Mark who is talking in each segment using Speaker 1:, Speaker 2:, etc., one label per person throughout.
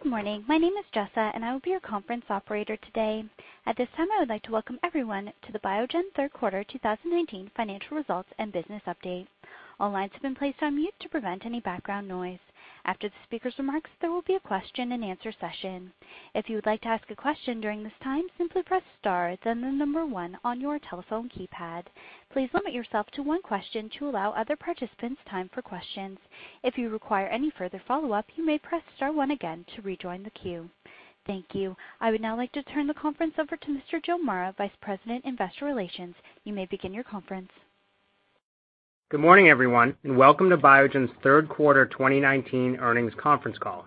Speaker 1: Good morning. My name is Jessa. I will be your conference operator today. At this time, I would like to welcome everyone to the Biogen third quarter 2019 financial results and business update. All lines have been placed on mute to prevent any background noise. After the speaker's remarks, there will be a question and answer session. If you would like to ask a question during this time, simply press star, then the number one on your telephone keypad. Please limit yourself to one question to allow other participants time for questions. If you require any further follow-up, you may press star one again to rejoin the queue. Thank you. I would now like to turn the conference over to Mr. Joe Mara, Vice President, Investor Relations. You may begin your conference.
Speaker 2: Good morning, everyone, and welcome to Biogen's third quarter 2019 earnings conference call.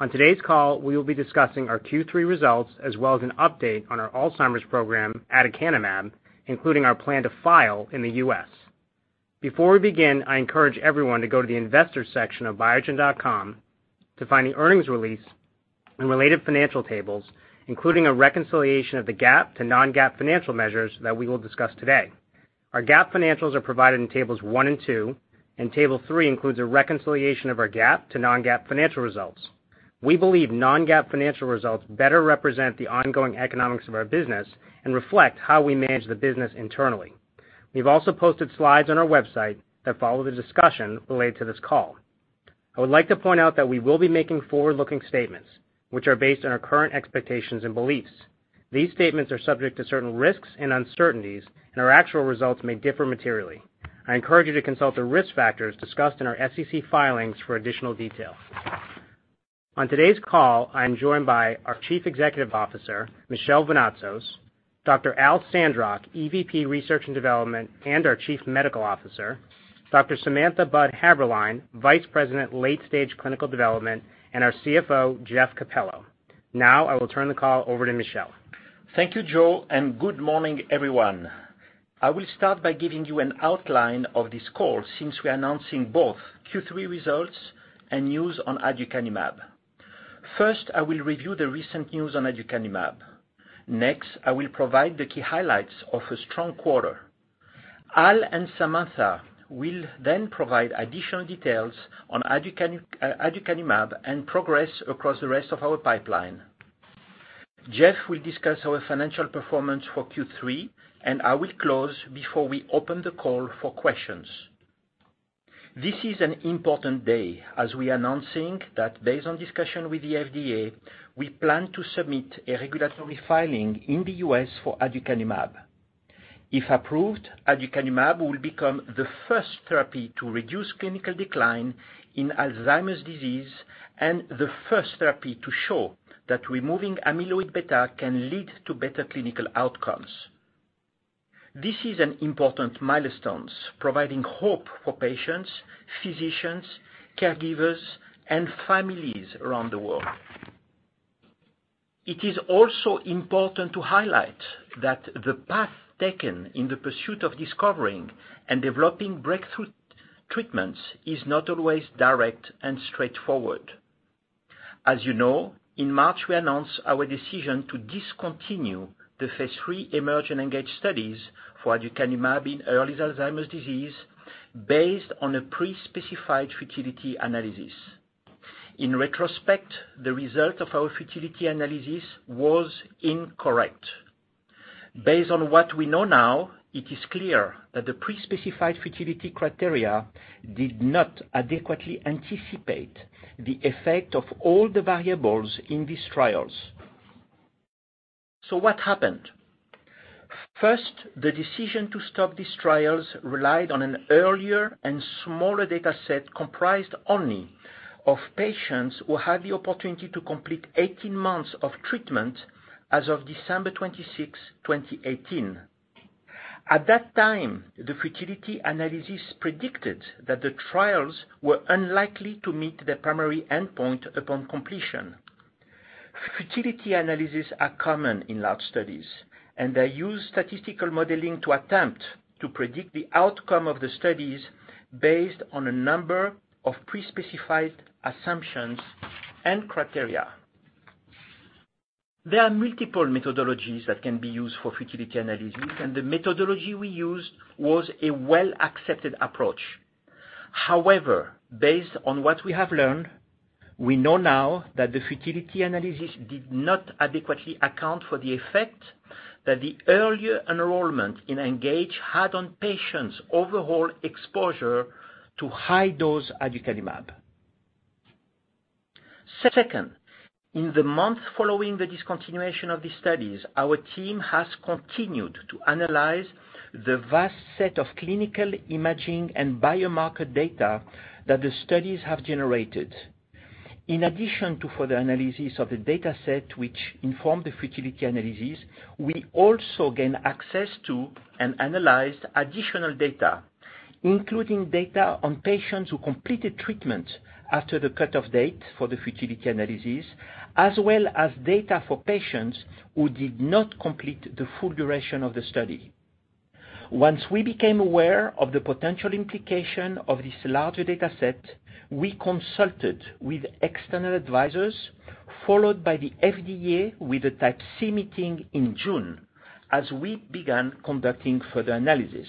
Speaker 2: On today's call, we will be discussing our Q3 results, as well as an update on our Alzheimer's program, aducanumab, including our plan to file in the U.S. Before we begin, I encourage everyone to go to the investors section of biogen.com to find the earnings release and related financial tables, including a reconciliation of the GAAP to non-GAAP financial measures that we will discuss today. Our GAAP financials are provided in tables one and two. Table three includes a reconciliation of our GAAP to non-GAAP financial results. We believe non-GAAP financial results better represent the ongoing economics of our business and reflect how we manage the business internally. We've also posted slides on our website that follow the discussion related to this call. I would like to point out that we will be making forward-looking statements, which are based on our current expectations and beliefs. These statements are subject to certain risks and uncertainties, and our actual results may differ materially. I encourage you to consult the risk factors discussed in our SEC filings for additional details. On today's call, I am joined by our Chief Executive Officer, Michel Vounatsos, Dr. Al Sandrock, EVP, Research and Development, and our Chief Medical Officer, Dr. Samantha Budd Haeberlein, Vice President, Late Stage Clinical Development, and our CFO, Jeff Capello. I will turn the call over to Michel.
Speaker 3: Thank you, Joe, and good morning, everyone. I will start by giving you an outline of this call, since we are announcing both Q3 results and news on aducanumab. First, I will review the recent news on aducanumab. Next, I will provide the key highlights of a strong quarter. Al and Samantha will then provide additional details on aducanumab and progress across the rest of our pipeline. Jeff will discuss our financial performance for Q3, and I will close before we open the call for questions. This is an important day as we are announcing that based on discussion with the FDA, we plan to submit a regulatory filing in the U.S. for aducanumab. If approved, aducanumab will become the first therapy to reduce clinical decline in Alzheimer's disease and the first therapy to show that removing amyloid beta can lead to better clinical outcomes. This is an important milestone providing hope for patients, physicians, caregivers, and families around the world. It is also important to highlight that the path taken in the pursuit of discovering and developing breakthrough treatments is not always direct and straightforward. As you know, in March, we announced our decision to discontinue the phase III EMERGE and ENGAGE studies for aducanumab in early Alzheimer's disease based on a pre-specified futility analysis. In retrospect, the result of our futility analysis was incorrect. Based on what we know now, it is clear that the pre-specified futility criteria did not adequately anticipate the effect of all the variables in these trials. What happened? First, the decision to stop these trials relied on an earlier and smaller dataset comprised only of patients who had the opportunity to complete 18 months of treatment as of December 26, 2018. At that time, the futility analysis predicted that the trials were unlikely to meet the primary endpoint upon completion. Futility analyses are common in large studies, and they use statistical modeling to attempt to predict the outcome of the studies based on a number of pre-specified assumptions and criteria. There are multiple methodologies that can be used for futility analysis, and the methodology we used was a well-accepted approach. However, based on what we have learned, we know now that the futility analysis did not adequately account for the effect that the earlier enrollment in ENGAGE had on patients' overall exposure to high-dose aducanumab. Second, in the month following the discontinuation of the studies, our team has continued to analyze the vast set of clinical imaging and biomarker data that the studies have generated. In addition to further analysis of the dataset which informed the futility analysis, we also gained access to and analyzed additional data, including data on patients who completed treatment after the cutoff date for the futility analysis, as well as data for patients who did not complete the full duration of the study. Once we became aware of the potential implication of this larger dataset, we consulted with external advisors, followed by the FDA with a Type C meeting in June as we began conducting further analysis.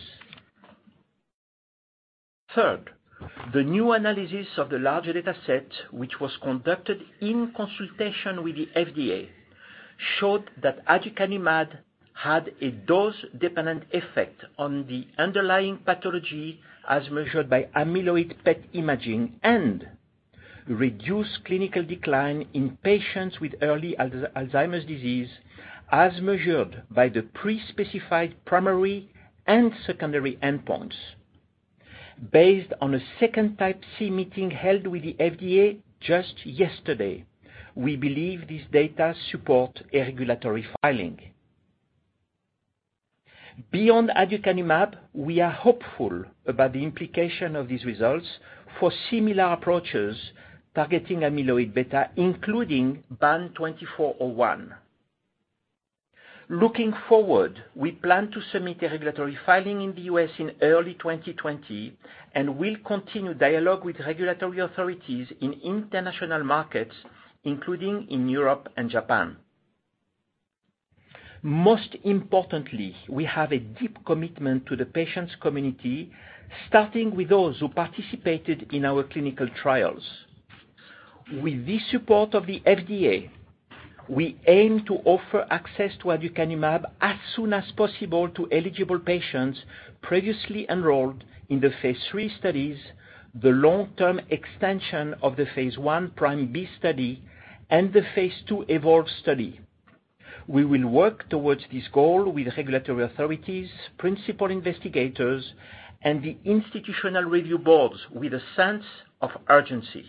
Speaker 3: Third, the new analysis of the larger data set, which was conducted in consultation with the FDA, showed that aducanumab had a dose-dependent effect on the underlying pathology as measured by amyloid PET imaging and reduced clinical decline in patients with early Alzheimer's disease as measured by the pre-specified primary and secondary endpoints. Based on a second Type C meeting held with the FDA just yesterday, we believe this data support a regulatory filing. Beyond aducanumab, we are hopeful about the implication of these results for similar approaches targeting amyloid beta, including BAN2401. Looking forward, we plan to submit a regulatory filing in the U.S. in early 2020 and will continue dialogue with regulatory authorities in international markets, including in Europe and Japan. Most importantly, we have a deep commitment to the patients community, starting with those who participated in our clinical trials. With the support of the FDA, we aim to offer access to aducanumab as soon as possible to eligible patients previously enrolled in the phase III studies, the long-term extension of the phase I-B PRIME study, and the phase II EVOLVE study. We will work towards this goal with regulatory authorities, principal investigators, and the institutional review boards with a sense of urgency.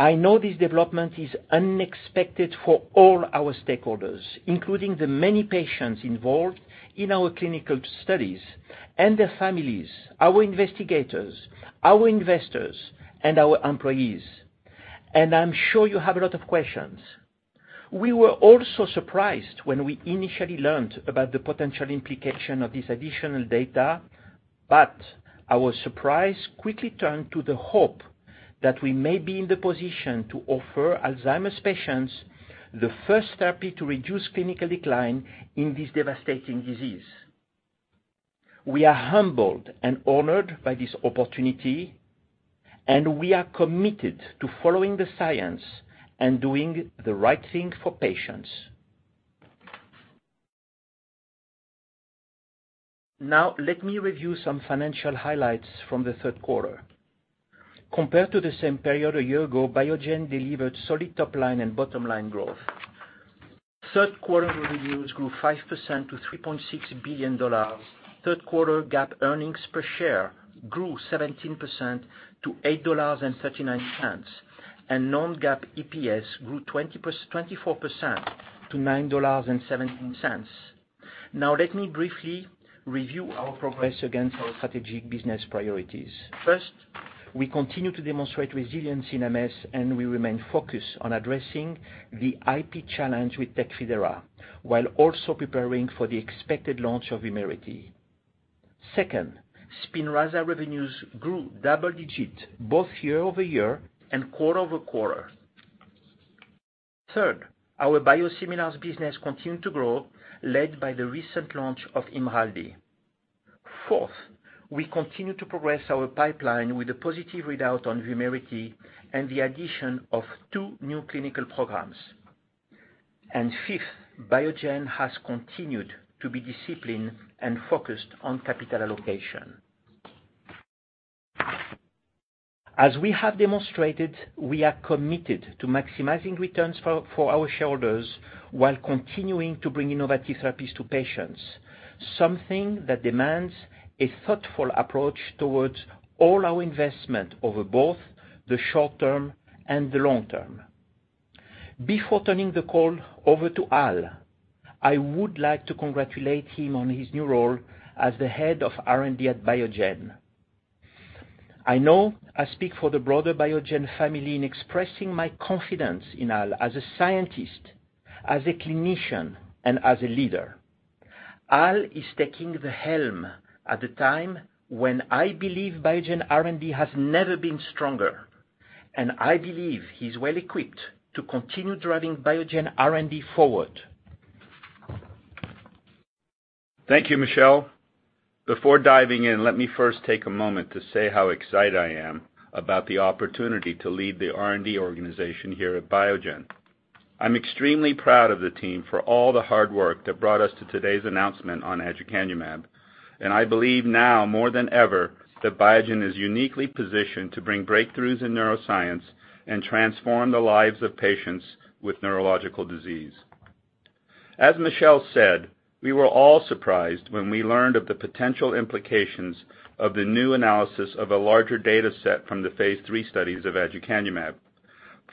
Speaker 3: I know this development is unexpected for all our stakeholders, including the many patients involved in our clinical studies and their families, our investigators, our investors, and our employees. I'm sure you have a lot of questions. We were also surprised when we initially learned about the potential implication of this additional data, but our surprise quickly turned to the hope that we may be in the position to offer Alzheimer's patients the first therapy to reduce clinical decline in this devastating disease. We are humbled and honored by this opportunity, and we are committed to following the science and doing the right thing for patients. Now, let me review some financial highlights from the third quarter. Compared to the same period a year ago, Biogen delivered solid top-line and bottom-line growth. Third quarter revenues grew 5% to $3.6 billion. Third quarter GAAP earnings per share grew 17% to $8.39. Non-GAAP EPS grew 24% to $9.17. Let me briefly review our progress against our strategic business priorities. First, we continue to demonstrate resilience in MS, and we remain focused on addressing the IP challenge with TECFIDERA while also preparing for the expected launch of VUMERITY. Second, SPINRAZA revenues grew double digits both year-over-year and quarter-over-quarter. Third, our biosimilars business continued to grow, led by the recent launch of IMRALDI. Fourth, we continue to progress our pipeline with a positive readout on VUMERITY and the addition of two new clinical programs. Fifth, Biogen has continued to be disciplined and focused on capital allocation. As we have demonstrated, we are committed to maximizing returns for our shareholders while continuing to bring innovative therapies to patients, something that demands a thoughtful approach towards all our investment over both the short term and the long term. Before turning the call over to Al, I would like to congratulate him on his new role as the head of R&D at Biogen. I know I speak for the broader Biogen family in expressing my confidence in Al as a scientist, as a clinician, and as a leader. Al is taking the helm at the time when I believe Biogen R&D has never been stronger, and I believe he's well-equipped to continue driving Biogen R&D forward.
Speaker 4: Thank you, Michel. Before diving in, let me first take a moment to say how excited I am about the opportunity to lead the R&D organization here at Biogen. I'm extremely proud of the team for all the hard work that brought us to today's announcement on aducanumab, and I believe now more than ever that Biogen is uniquely positioned to bring breakthroughs in neuroscience and transform the lives of patients with neurological disease. As Michel said, we were all surprised when we learned of the potential implications of the new analysis of a larger data set from the phase III studies of aducanumab.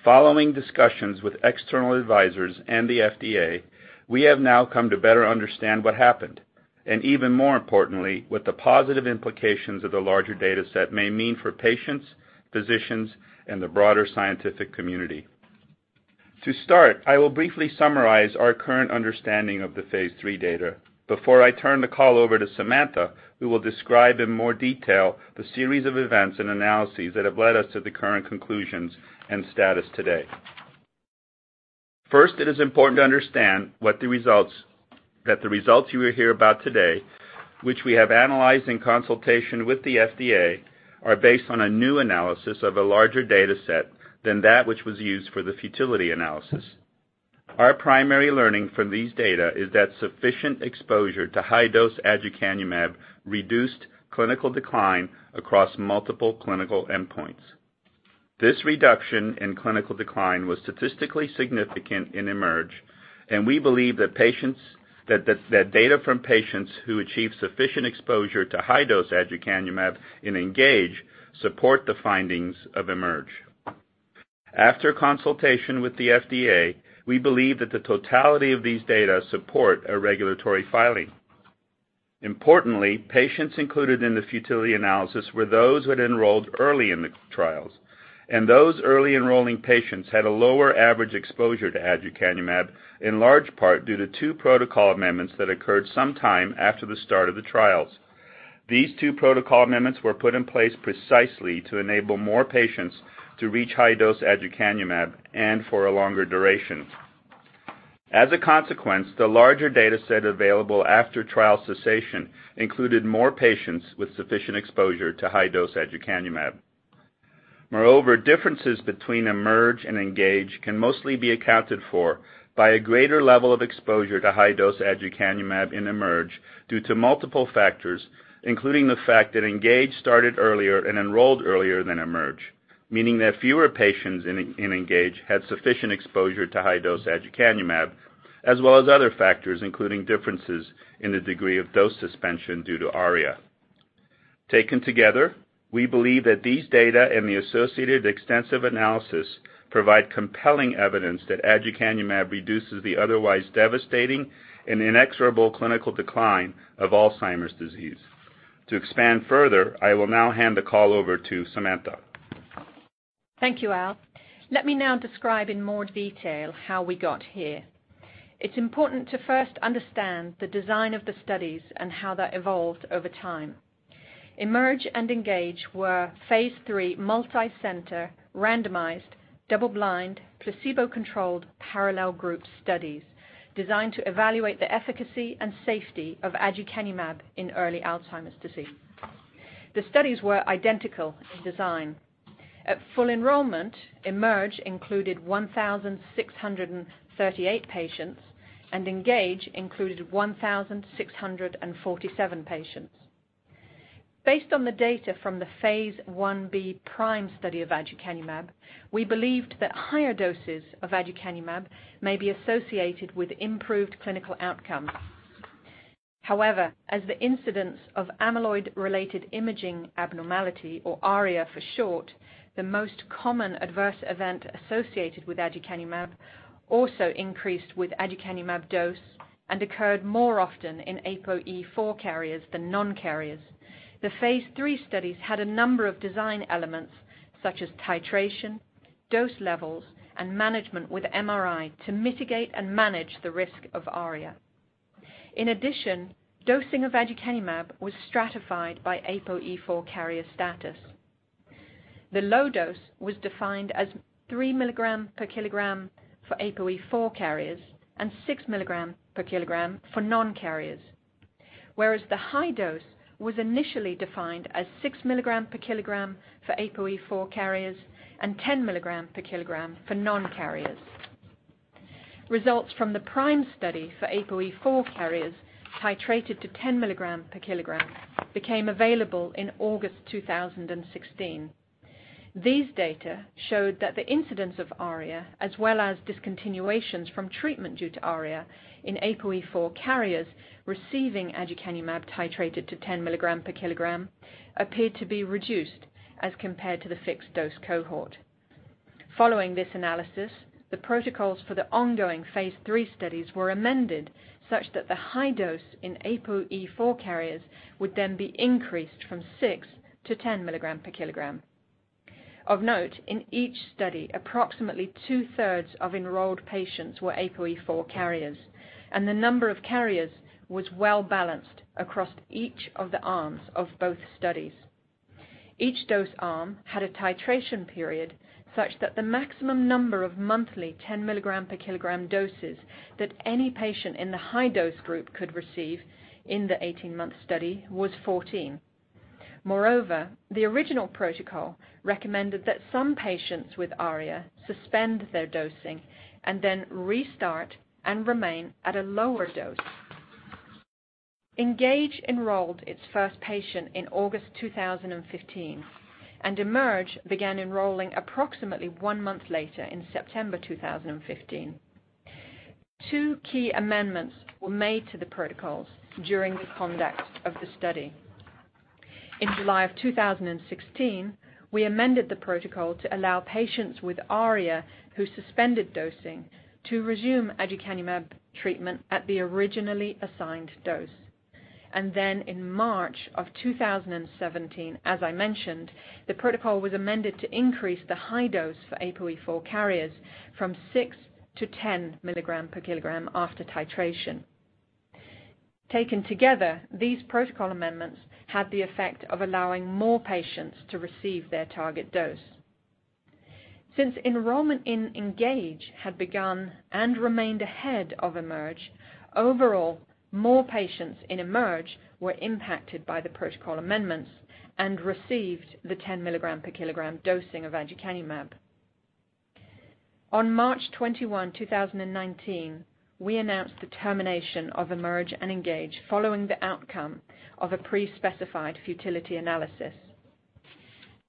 Speaker 4: Following discussions with external advisors and the FDA, we have now come to better understand what happened, and even more importantly, what the positive implications of the larger data set may mean for patients, physicians, and the broader scientific community. To start, I will briefly summarize our current understanding of the phase III data before I turn the call over to Samantha, who will describe in more detail the series of events and analyses that have led us to the current conclusions and status today. First, it is important to understand that the results you will hear about today, which we have analyzed in consultation with the FDA, are based on a new analysis of a larger data set than that which was used for the futility analysis. Our primary learning from these data is that sufficient exposure to high-dose aducanumab reduced clinical decline across multiple clinical endpoints. This reduction in clinical decline was statistically significant in EMERGE, and we believe that data from patients who achieved sufficient exposure to high-dose aducanumab in ENGAGE support the findings of EMERGE. After consultation with the FDA, we believe that the totality of these data support a regulatory filing. Importantly, patients included in the futility analysis were those who had enrolled early in the trials, and those early-enrolling patients had a lower average exposure to aducanumab, in large part due to two protocol amendments that occurred sometime after the start of the trials. These two protocol amendments were put in place precisely to enable more patients to reach high-dose aducanumab and for a longer duration. As a consequence, the larger data set available after trial cessation included more patients with sufficient exposure to high-dose aducanumab. Moreover, differences between EMERGE and ENGAGE can mostly be accounted for by a greater level of exposure to high-dose aducanumab in EMERGE due to multiple factors, including the fact that ENGAGE started earlier and enrolled earlier than EMERGE, meaning that fewer patients in ENGAGE had sufficient exposure to high-dose aducanumab, as well as other factors, including differences in the degree of dose suspension due to ARIA. Taken together, we believe that these data and the associated extensive analysis provide compelling evidence that aducanumab reduces the otherwise devastating and inexorable clinical decline of Alzheimer's disease. To expand further, I will now hand the call over to Samantha.
Speaker 5: Thank you, Al. Let me now describe in more detail how we got here. It's important to first understand the design of the studies and how that evolved over time. EMERGE and ENGAGE were phase III multi-center, randomized, double-blind, placebo-controlled parallel group studies designed to evaluate the efficacy and safety of aducanumab in early Alzheimer's disease. The studies were identical in design. At full enrollment, EMERGE included 1,638 patients, and ENGAGE included 1,647 patients. Based on the data from the phase I-B PRIME study of aducanumab, we believed that higher doses of aducanumab may be associated with improved clinical outcomes. However, as the incidence of amyloid-related imaging abnormality, or ARIA for short, the most common adverse event associated with aducanumab, also increased with aducanumab dose and occurred more often in APOE4 carriers than non-carriers. The phase III studies had a number of design elements such as titration, dose levels, and management with MRI to mitigate and manage the risk of ARIA. In addition, dosing of aducanumab was stratified by APOE4 carrier status. The low dose was defined as 3 milligrams per kilogram for APOE4 carriers and 6 milligrams per kilogram for non-carriers. Whereas the high dose was initially defined as 6 milligrams per kilogram for APOE4 carriers and 10 milligrams per kilogram for non-carriers. Results from the PRIME study for APOE4 carriers titrated to 10 milligrams per kilogram became available in August 2016. These data showed that the incidence of ARIA, as well as discontinuations from treatment due to ARIA in APOE4 carriers receiving aducanumab titrated to 10 milligrams per kilogram, appeared to be reduced as compared to the fixed dose cohort. Following this analysis, the protocols for the ongoing phase III studies were amended such that the high dose in APOE4 carriers would then be increased from six to 10 milligrams per kilogram. Of note, in each study, approximately two-thirds of enrolled patients were APOE4 carriers, and the number of carriers was well-balanced across each of the arms of both studies. Each dose arm had a titration period such that the maximum number of monthly 10 milligram per kilogram doses that any patient in the high-dose group could receive in the 18-month study was 14. The original protocol recommended that some patients with ARIA suspend their dosing and then restart and remain at a lower dose. ENGAGE enrolled its first patient in August 2015. EMERGE began enrolling approximately one month later in September 2015. Two key amendments were made to the protocols during the conduct of the study. In July of 2016, we amended the protocol to allow patients with ARIA who suspended dosing to resume aducanumab treatment at the originally assigned dose. In March of 2017, as I mentioned, the protocol was amended to increase the high dose for APOE4 carriers from 6 to 10 milligrams per kilogram after titration. Taken together, these protocol amendments had the effect of allowing more patients to receive their target dose. Since enrollment in ENGAGE had begun and remained ahead of EMERGE, overall, more patients in EMERGE were impacted by the protocol amendments and received the 10 milligram per kilogram dosing of aducanumab. On March 21, 2019, we announced the termination of EMERGE and ENGAGE following the outcome of a pre-specified futility analysis.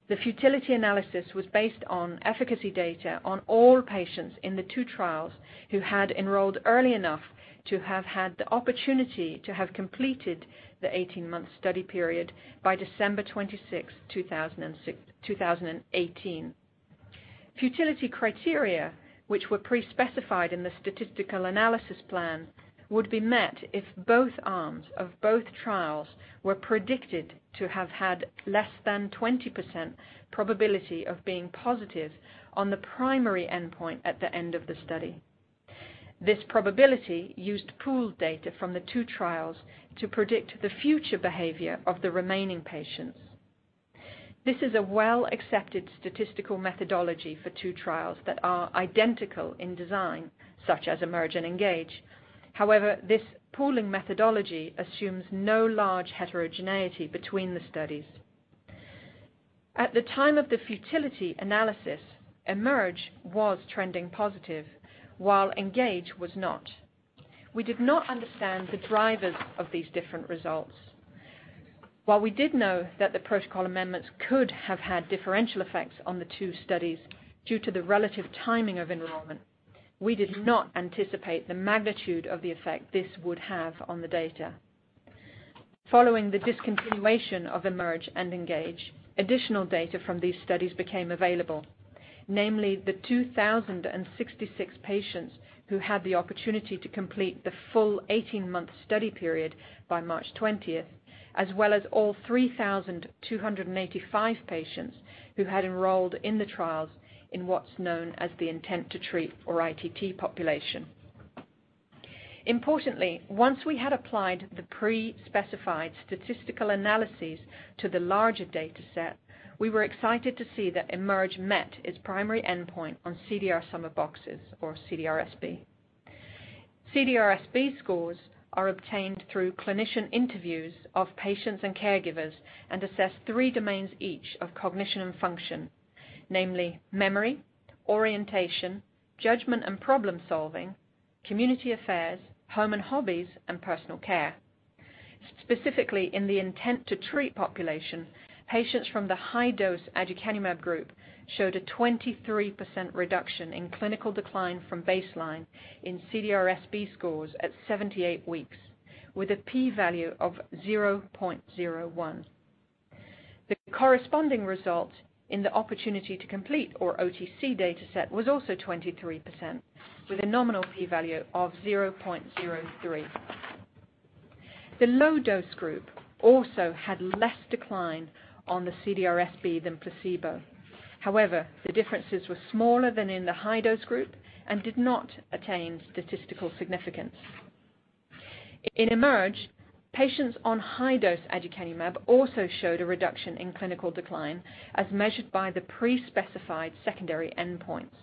Speaker 5: The futility analysis was based on efficacy data on all patients in the two trials who had enrolled early enough to have had the opportunity to have completed the 18-month study period by December 26, 2018. Futility criteria, which were pre-specified in the statistical analysis plan, would be met if both arms of both trials were predicted to have had less than 20% probability of being positive on the primary endpoint at the end of the study. This probability used pooled data from the two trials to predict the future behavior of the remaining patients. This is a well-accepted statistical methodology for two trials that are identical in design, such as EMERGE and ENGAGE. This pooling methodology assumes no large heterogeneity between the studies. At the time of the futility analysis, EMERGE was trending positive, while ENGAGE was not. We did not understand the drivers of these different results. While we did know that the protocol amendments could have had differential effects on the two studies due to the relative timing of enrollment, we did not anticipate the magnitude of the effect this would have on the data. Following the discontinuation of EMERGE and ENGAGE, additional data from these studies became available, namely the 2,066 patients who had the opportunity to complete the full 18-month study period by March 20th, as well as all 3,285 patients who had enrolled in the trials in what's known as the intent-to-treat or ITT population. Importantly, once we had applied the pre-specified statistical analyses to the larger data set, we were excited to see that EMERGE met its primary endpoint on CDR Sum of Boxes, or CDR-SB. CDR-SB scores are obtained through clinician interviews of patients and caregivers and assess three domains each of cognition and function, namely memory, orientation, judgment and problem-solving, community affairs, home and hobbies, and personal care. Specifically, in the intent-to-treat population, patients from the high-dose aducanumab group showed a 23% reduction in clinical decline from baseline in CDR-SB scores at 78 weeks with a P value of 0.01. The corresponding result in the opportunity-to-complete, or OTC data set was also 23% with a nominal P value of 0.03. The low-dose group also had less decline on the CDR-SB than placebo. However, the differences were smaller than in the high-dose group and did not attain statistical significance. In EMERGE, patients on high-dose aducanumab also showed a reduction in clinical decline as measured by the pre-specified secondary endpoints.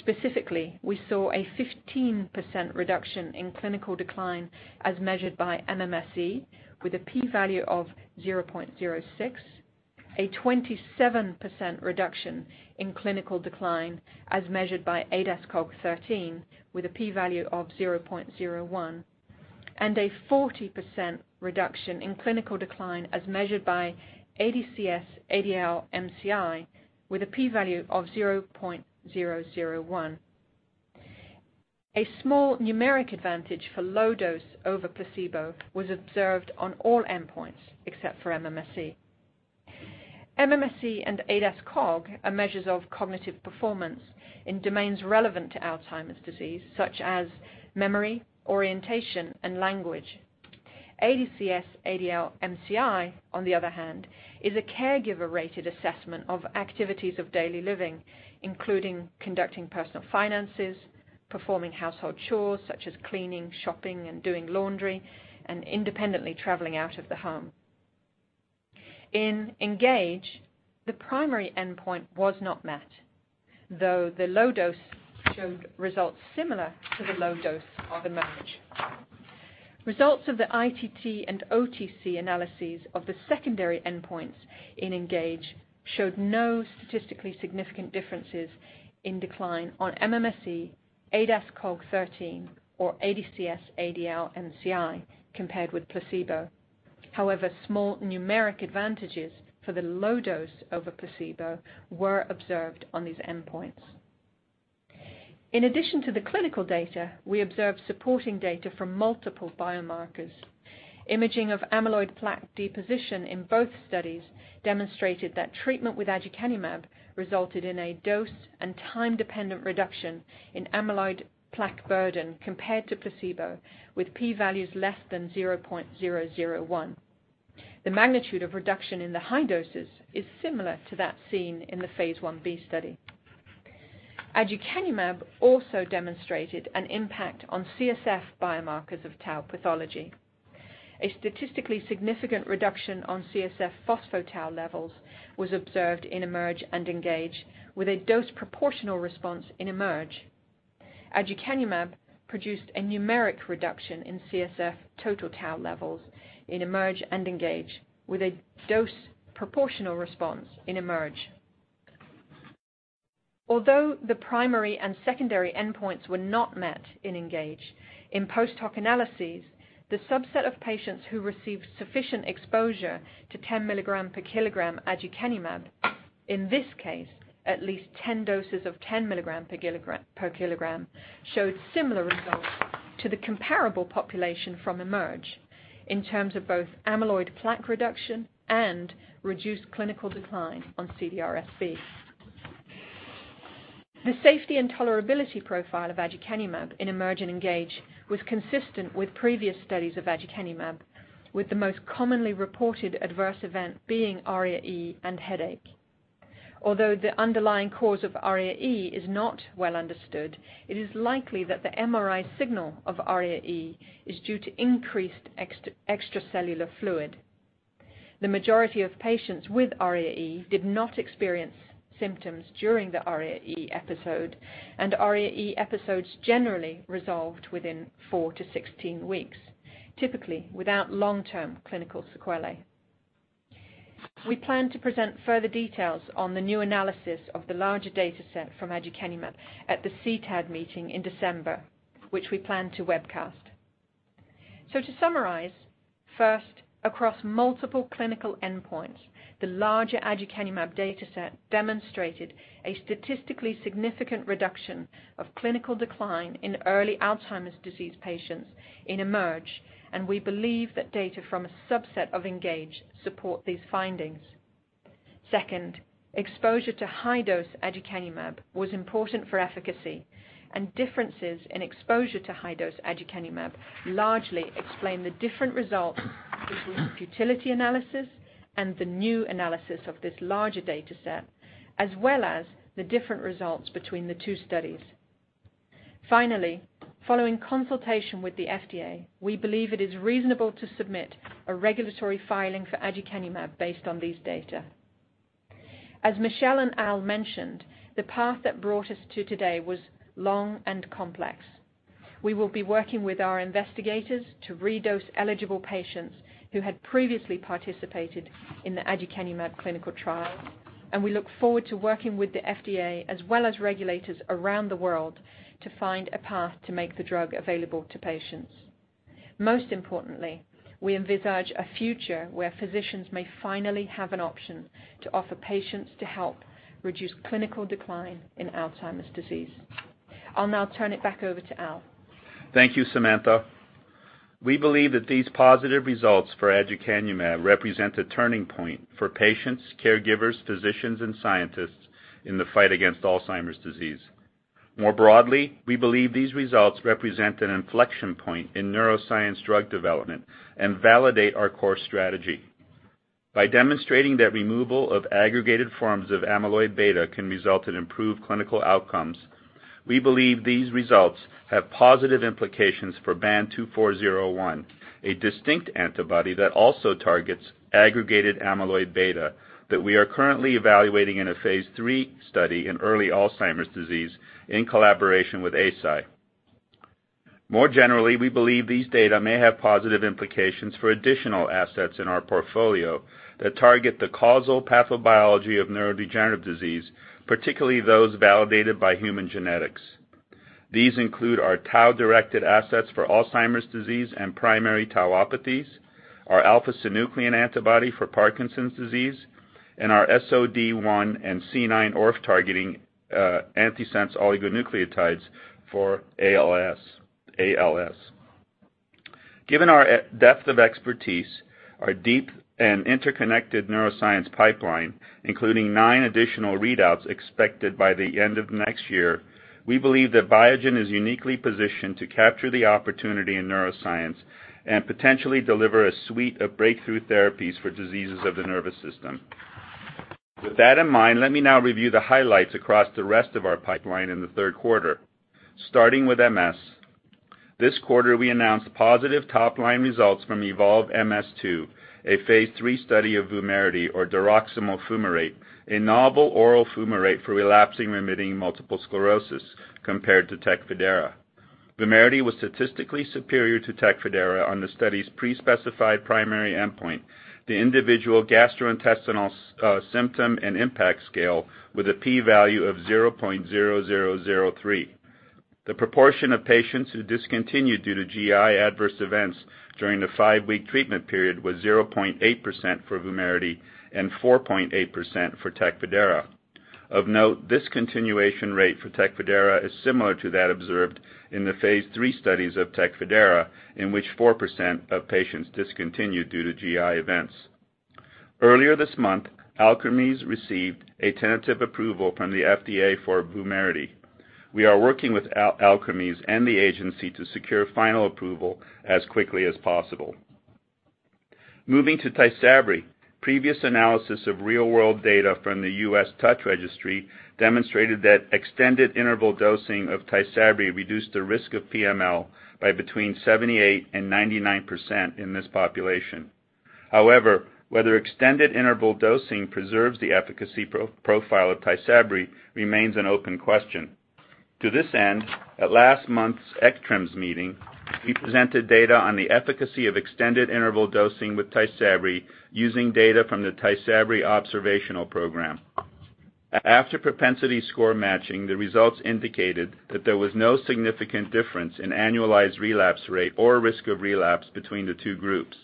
Speaker 5: Specifically, we saw a 15% reduction in clinical decline as measured by MMSE with a P value of 0.06, a 27% reduction in clinical decline as measured by ADAS-Cog 13 with a P value of 0.01, and a 40% reduction in clinical decline as measured by ADCS-ADL-MCI with a P value of 0.001. A small numeric advantage for low dose over placebo was observed on all endpoints except for MMSE. MMSE and ADAS-Cog are measures of cognitive performance in domains relevant to Alzheimer's disease, such as memory, orientation, and language. ADCS-ADL-MCI, on the other hand, is a caregiver-rated assessment of activities of daily living, including conducting personal finances, performing household chores such as cleaning, shopping, and doing laundry, and independently traveling out of the home. In ENGAGE, the primary endpoint was not met, though the low dose showed results similar to the low dose of EMERGE. Results of the ITT and OTC analyses of the secondary endpoints in ENGAGE showed no statistically significant differences in decline on MMSE, ADAS-Cog 13, or ADCS-ADL-MCI compared with placebo. However, small numeric advantages for the low dose over placebo were observed on these endpoints. In addition to the clinical data, we observed supporting data from multiple biomarkers. Imaging of amyloid plaque deposition in both studies demonstrated that treatment with aducanumab resulted in a dose and time-dependent reduction in amyloid plaque burden compared to placebo with P values less than 0.001. The magnitude of reduction in the high doses is similar to that seen in the phase I-B study. Aducanumab also demonstrated an impact on CSF biomarkers of tau pathology. A statistically significant reduction on CSF phospho-tau levels was observed in EMERGE and ENGAGE with a dose proportional response in EMERGE. aducanumab produced a numeric reduction in CSF total tau levels in EMERGE and ENGAGE with a dose proportional response in EMERGE. Although the primary and secondary endpoints were not met in ENGAGE, in post-hoc analyses, the subset of patients who received sufficient exposure to 10 milligram per kilogram aducanumab, in this case, at least 10 doses of 10 milligram per kilogram, showed similar results to the comparable population from EMERGE in terms of both amyloid plaque reduction and reduced clinical decline on CDR-SB. The safety and tolerability profile of aducanumab in EMERGE and ENGAGE was consistent with previous studies of aducanumab, with the most commonly reported adverse event being ARIA-E and headache. Although the underlying cause of ARIA-E is not well understood, it is likely that the MRI signal of ARIA-E is due to increased extracellular fluid. The majority of patients with ARIA-E did not experience symptoms during the ARIA-E episode, and ARIA-E episodes generally resolved within four to 16 weeks, typically without long-term clinical sequelae. We plan to present further details on the new analysis of the larger dataset from aducanumab at the CTAD meeting in December, which we plan to webcast. First, across multiple clinical endpoints, the larger aducanumab dataset demonstrated a statistically significant reduction of clinical decline in early Alzheimer's disease patients in EMERGE, and we believe that data from a subset of ENGAGE support these findings. Second, exposure to high-dose aducanumab was important for efficacy, and differences in exposure to high-dose aducanumab largely explain the different results between the futility analysis and the new analysis of this larger dataset, as well as the different results between the two studies. Finally, following consultation with the FDA, we believe it is reasonable to submit a regulatory filing for aducanumab based on these data. As Michel and Al mentioned, the path that brought us to today was long and complex. We will be working with our investigators to redose eligible patients who had previously participated in the aducanumab clinical trial. We look forward to working with the FDA as well as regulators around the world to find a path to make the drug available to patients. Most importantly, we envisage a future where physicians may finally have an option to offer patients to help reduce clinical decline in Alzheimer's disease. I'll now turn it back over to Al.
Speaker 4: Thank you, Samantha. We believe that these positive results for aducanumab represent a turning point for patients, caregivers, physicians, and scientists in the fight against Alzheimer's disease. More broadly, we believe these results represent an inflection point in neuroscience drug development and validate our core strategy. By demonstrating that removal of aggregated forms of amyloid beta can result in improved clinical outcomes, we believe these results have positive implications for BAN2401, a distinct antibody that also targets aggregated amyloid beta that we are currently evaluating in a phase III study in early Alzheimer's disease in collaboration with Eisai. More generally, we believe these data may have positive implications for additional assets in our portfolio that target the causal pathobiology of neurodegenerative disease, particularly those validated by human genetics. These include our tau-directed assets for Alzheimer's disease and primary tauopathies, our alpha-synuclein antibody for Parkinson's disease, and our SOD1 and C9orf72 targeting antisense oligonucleotides for ALS. Given our depth of expertise, our deep and interconnected neuroscience pipeline, including nine additional readouts expected by the end of next year, we believe that Biogen is uniquely positioned to capture the opportunity in neuroscience and potentially deliver a suite of breakthrough therapies for diseases of the nervous system. With that in mind, let me now review the highlights across the rest of our pipeline in the third quarter. Starting with MS, this quarter, we announced positive top-line results from EVOLVE-MS-2, a phase III study of Vumerity or diroximel fumarate, a novel oral fumarate for relapsing remitting multiple sclerosis compared to Tecfidera. Vumerity was statistically superior to Tecfidera on the study's pre-specified primary endpoint, the individual gastrointestinal symptom and impact scale with a P value of 0.0003. The proportion of patients who discontinued due to GI adverse events during the five-week treatment period was 0.8% for Vumerity and 4.8% for Tecfidera. Of note, discontinuation rate for Tecfidera is similar to that observed in the phase III studies of Tecfidera, in which 4% of patients discontinued due to GI events. Earlier this month, Alkermes received a tentative approval from the FDA for Vumerity. We are working with Alkermes and the agency to secure final approval as quickly as possible. Moving to Tysabri. Previous analysis of real-world data from the U.S. TOUCH Registry demonstrated that extended interval dosing of Tysabri reduced the risk of PML by between 78% and 99% in this population. However, whether extended interval dosing preserves the efficacy profile of TYSABRI remains an open question. To this end, at last month's ECTRIMS meeting, we presented data on the efficacy of extended interval dosing with TYSABRI using data from the TYSABRI observational program. After propensity score matching, the results indicated that there was no significant difference in annualized relapse rate or risk of relapse between the two groups.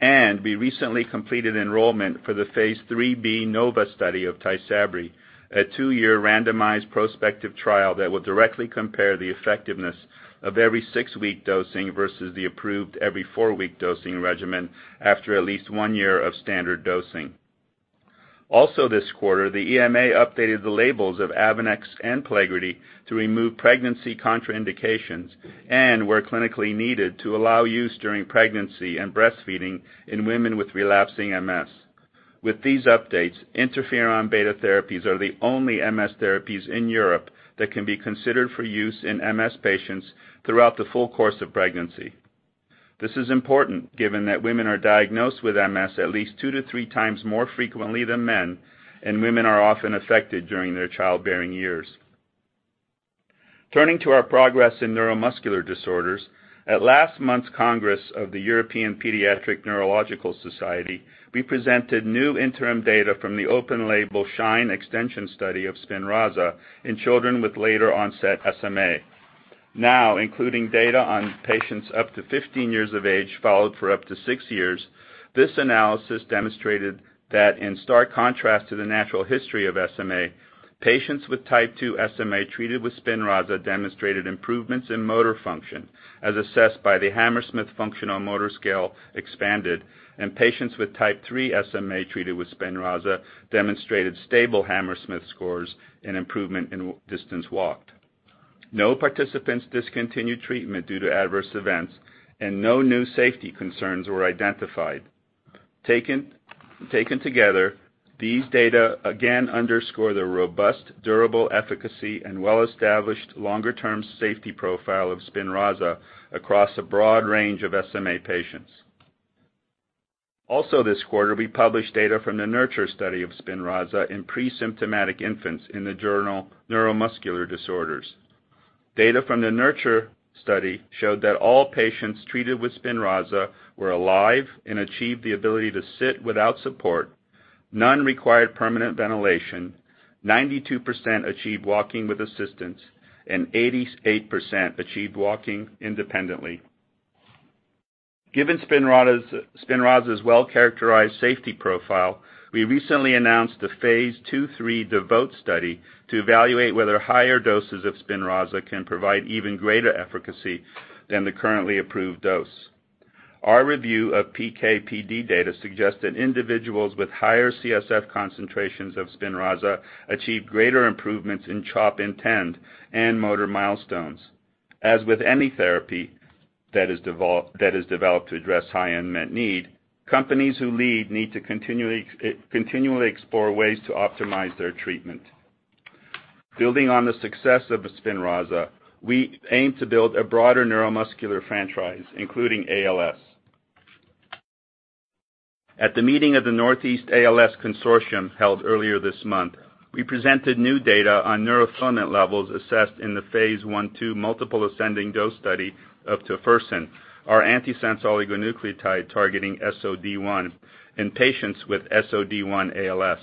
Speaker 4: We recently completed enrollment for the phase III-B NOVA study of TYSABRI, a two-year randomized prospective trial that will directly compare the effectiveness of every six-week dosing versus the approved every four-week dosing regimen after at least one year of standard dosing. Also this quarter, the EMA updated the labels of AVONEX and PLEGRIDY to remove pregnancy contraindications and, where clinically needed, to allow use during pregnancy and breastfeeding in women with relapsing MS. With these updates, interferon beta therapies are the only MS therapies in Europe that can be considered for use in MS patients throughout the full course of pregnancy. This is important given that women are diagnosed with MS at least two to three times more frequently than men, and women are often affected during their childbearing years. Turning to our progress in neuromuscular disorders. At last month's Congress of the European Paediatric Neurology Society, we presented new interim data from the open-label SHINE extension study of SPINRAZA in children with later-onset SMA. Now, including data on patients up to 15 years of age followed for up to 6 years, this analysis demonstrated that in stark contrast to the natural history of SMA, patients with Type 2 SMA treated with Spinraza demonstrated improvements in motor function, as assessed by the Hammersmith Functional Motor Scale-Expanded, and patients with Type 3 SMA treated with Spinraza demonstrated stable Hammersmith scores and improvement in distance walked. No participants discontinued treatment due to adverse events, and no new safety concerns were identified. Taken together, these data again underscore the robust, durable efficacy and well-established longer-term safety profile of Spinraza across a broad range of SMA patients. This quarter, we published data from the NURTURE study of Spinraza in pre-symptomatic infants in the journal "Neuromuscular Disorders". Data from the NURTURE study showed that all patients treated with Spinraza were alive and achieved the ability to sit without support. None required permanent ventilation, 92% achieved walking with assistance, and 88% achieved walking independently. Given SPINRAZA's well-characterized safety profile, we recently announced the phase II/III DEVOTE study to evaluate whether higher doses of SPINRAZA can provide even greater efficacy than the currently approved dose. Our review of PK/PD data suggests that individuals with higher CSF concentrations of SPINRAZA achieved greater improvements in CHOP-INTEND and motor milestones. As with any therapy that is developed to address high unmet need, companies who lead need to continually explore ways to optimize their treatment. Building on the success of SPINRAZA, we aim to build a broader neuromuscular franchise, including ALS. At the meeting of the Northeast ALS Consortium held earlier this month, we presented new data on neurofilament levels assessed in the phase I/II multiple ascending dose study of tofersen, our antisense oligonucleotide targeting SOD1 in patients with SOD1 ALS.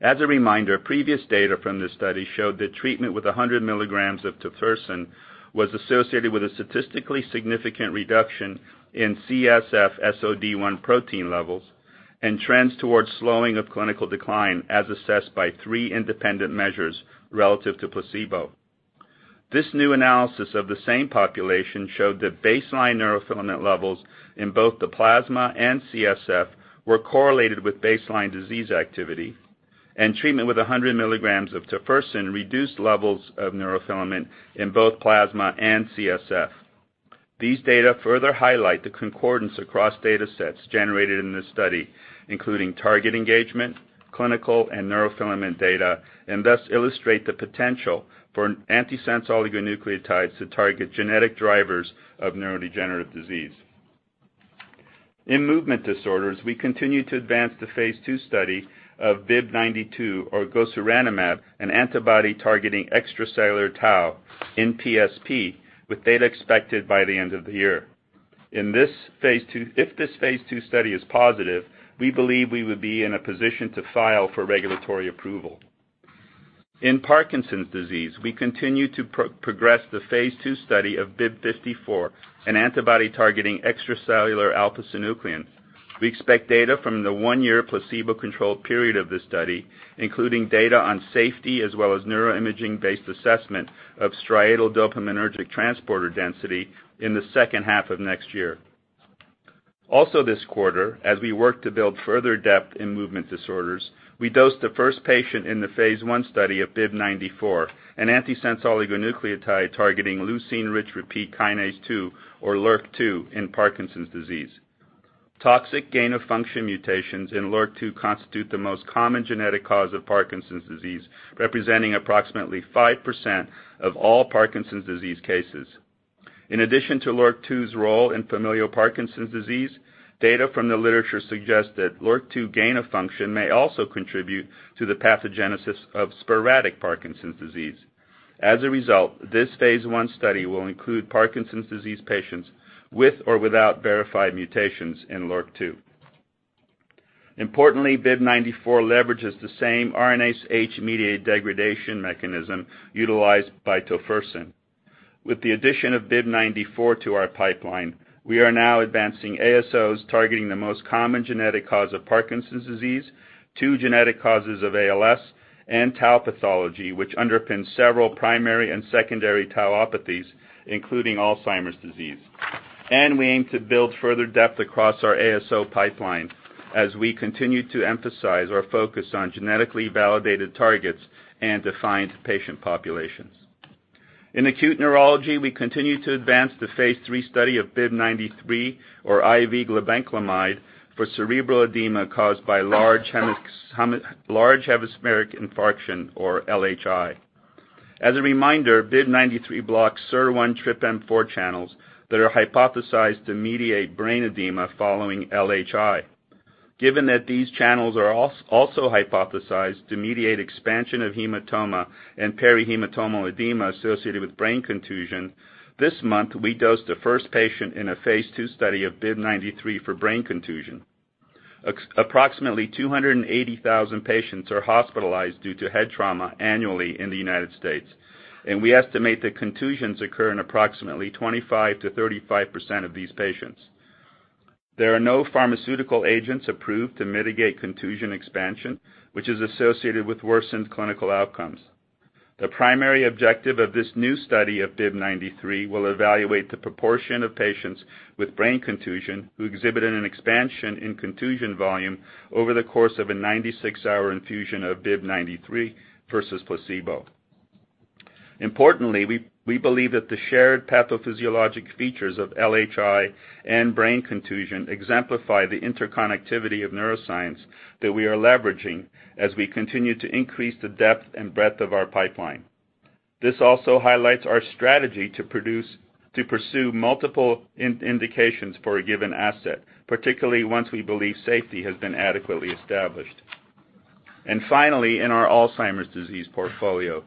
Speaker 4: As a reminder, previous data from this study showed that treatment with 100 milligrams of tofersen was associated with a statistically significant reduction in CSF SOD1 protein levels and trends towards slowing of clinical decline, as assessed by three independent measures relative to placebo. This new analysis of the same population showed that baseline neurofilament levels in both the plasma and CSF were correlated with baseline disease activity. Treatment with 100 milligrams of tofersen reduced levels of neurofilament in both plasma and CSF. These data further highlight the concordance across data sets generated in this study, including target engagement, clinical, and neurofilament data. Thus illustrate the potential for antisense oligonucleotides to target genetic drivers of neurodegenerative disease. In movement disorders, we continue to advance the phase II study of BIIB092, or gosuranemab, an antibody targeting extracellular tau in PSP with data expected by the end of the year. If this phase II study is positive, we believe we would be in a position to file for regulatory approval. In Parkinson's disease, we continue to progress the phase II study of BIIB054, an antibody targeting extracellular alpha-synuclein. We expect data from the one-year placebo-controlled period of this study, including data on safety as well as neuroimaging-based assessment of striatal dopaminergic transporter density in the second half of next year. Also this quarter, as we work to build further depth in movement disorders, we dosed the first patient in the phase I study of BIIB094, an antisense oligonucleotide targeting leucine-rich repeat kinase 2, or LRRK2, in Parkinson's disease. Toxic gain-of-function mutations in LRRK2 constitute the most common genetic cause of Parkinson's disease, representing approximately 5% of all Parkinson's disease cases. In addition to LRRK2's role in familial Parkinson's disease, data from the literature suggests that LRRK2 gain-of-function may also contribute to the pathogenesis of sporadic Parkinson's disease. As a result, this phase I study will include Parkinson's disease patients with or without verified mutations in LRRK2. Importantly, BIIB094 leverages the same RNase H-mediated degradation mechanism utilized by tofersen. With the addition of BIIB094 to our pipeline, we are now advancing ASOs targeting the most common genetic cause of Parkinson's disease, two genetic causes of ALS, and tau pathology, which underpins several primary and secondary tauopathies, including Alzheimer's disease. We aim to build further depth across our ASO pipeline as we continue to emphasize our focus on genetically validated targets and defined patient populations. In acute neurology, we continue to advance the phase III study of BIIB093, or IV glibenclamide, for cerebral edema caused by large hemispheric infarction, or LHI. As a reminder, BIIB093 blocks SUR1-TRPM4 channels that are hypothesized to mediate brain edema following LHI. Given that these channels are also hypothesized to mediate expansion of hematoma and perihematomal edema associated with brain contusion, this month we dosed the first patient in a phase II study of BIIB093 for brain contusion. Approximately 280,000 patients are hospitalized due to head trauma annually in the U.S., and we estimate that contusions occur in approximately 25%-35% of these patients. There are no pharmaceutical agents approved to mitigate contusion expansion, which is associated with worsened clinical outcomes. The primary objective of this new study of BIIB093 will evaluate the proportion of patients with brain contusion who exhibited an expansion in contusion volume over the course of a 96-hour infusion of BIIB093 versus placebo. Importantly, we believe that the shared pathophysiologic features of LHI and brain contusion exemplify the interconnectivity of neuroscience that we are leveraging as we continue to increase the depth and breadth of our pipeline. This also highlights our strategy to pursue multiple indications for a given asset, particularly once we believe safety has been adequately established. Finally, in our Alzheimer's disease portfolio.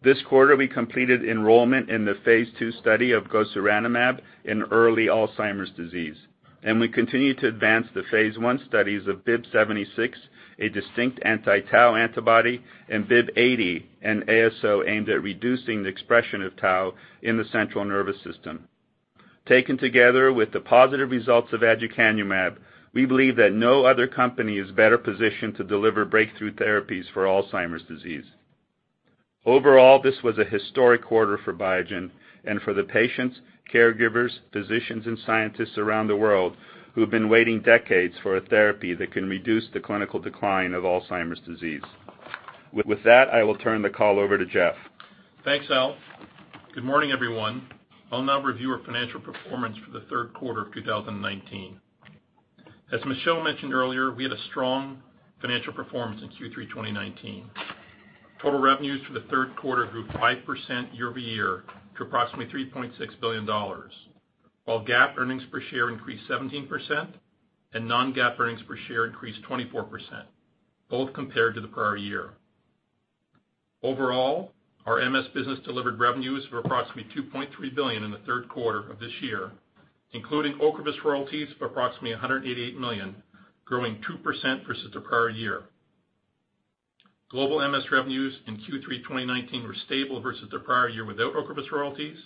Speaker 4: This quarter, we completed enrollment in the phase II study of gosuranemab in early Alzheimer's disease, and we continue to advance the phase I studies of BIIB076, a distinct anti-tau antibody, and BIIB080, an ASO aimed at reducing the expression of tau in the central nervous system. Taken together with the positive results of aducanumab, we believe that no other company is better positioned to deliver breakthrough therapies for Alzheimer's disease. Overall, this was a historic quarter for Biogen and for the patients, caregivers, physicians, and scientists around the world who have been waiting decades for a therapy that can reduce the clinical decline of Alzheimer's disease. With that, I will turn the call over to Jeff.
Speaker 6: Thanks, Al. Good morning, everyone. I'll now review our financial performance for the third quarter of 2019. As Michel mentioned earlier, we had a strong financial performance in Q3 2019. Total revenues for the third quarter grew 5% year-over-year to approximately $3.6 billion, while GAAP earnings per share increased 17% and non-GAAP earnings per share increased 24%, both compared to the prior year. Overall, our MS business delivered revenues of approximately $2.3 billion in the third quarter of this year, including OCREVUS royalties of approximately $188 million, growing 2% versus the prior year. Global MS revenues in Q3 2019 were stable versus the prior year without OCREVUS royalties,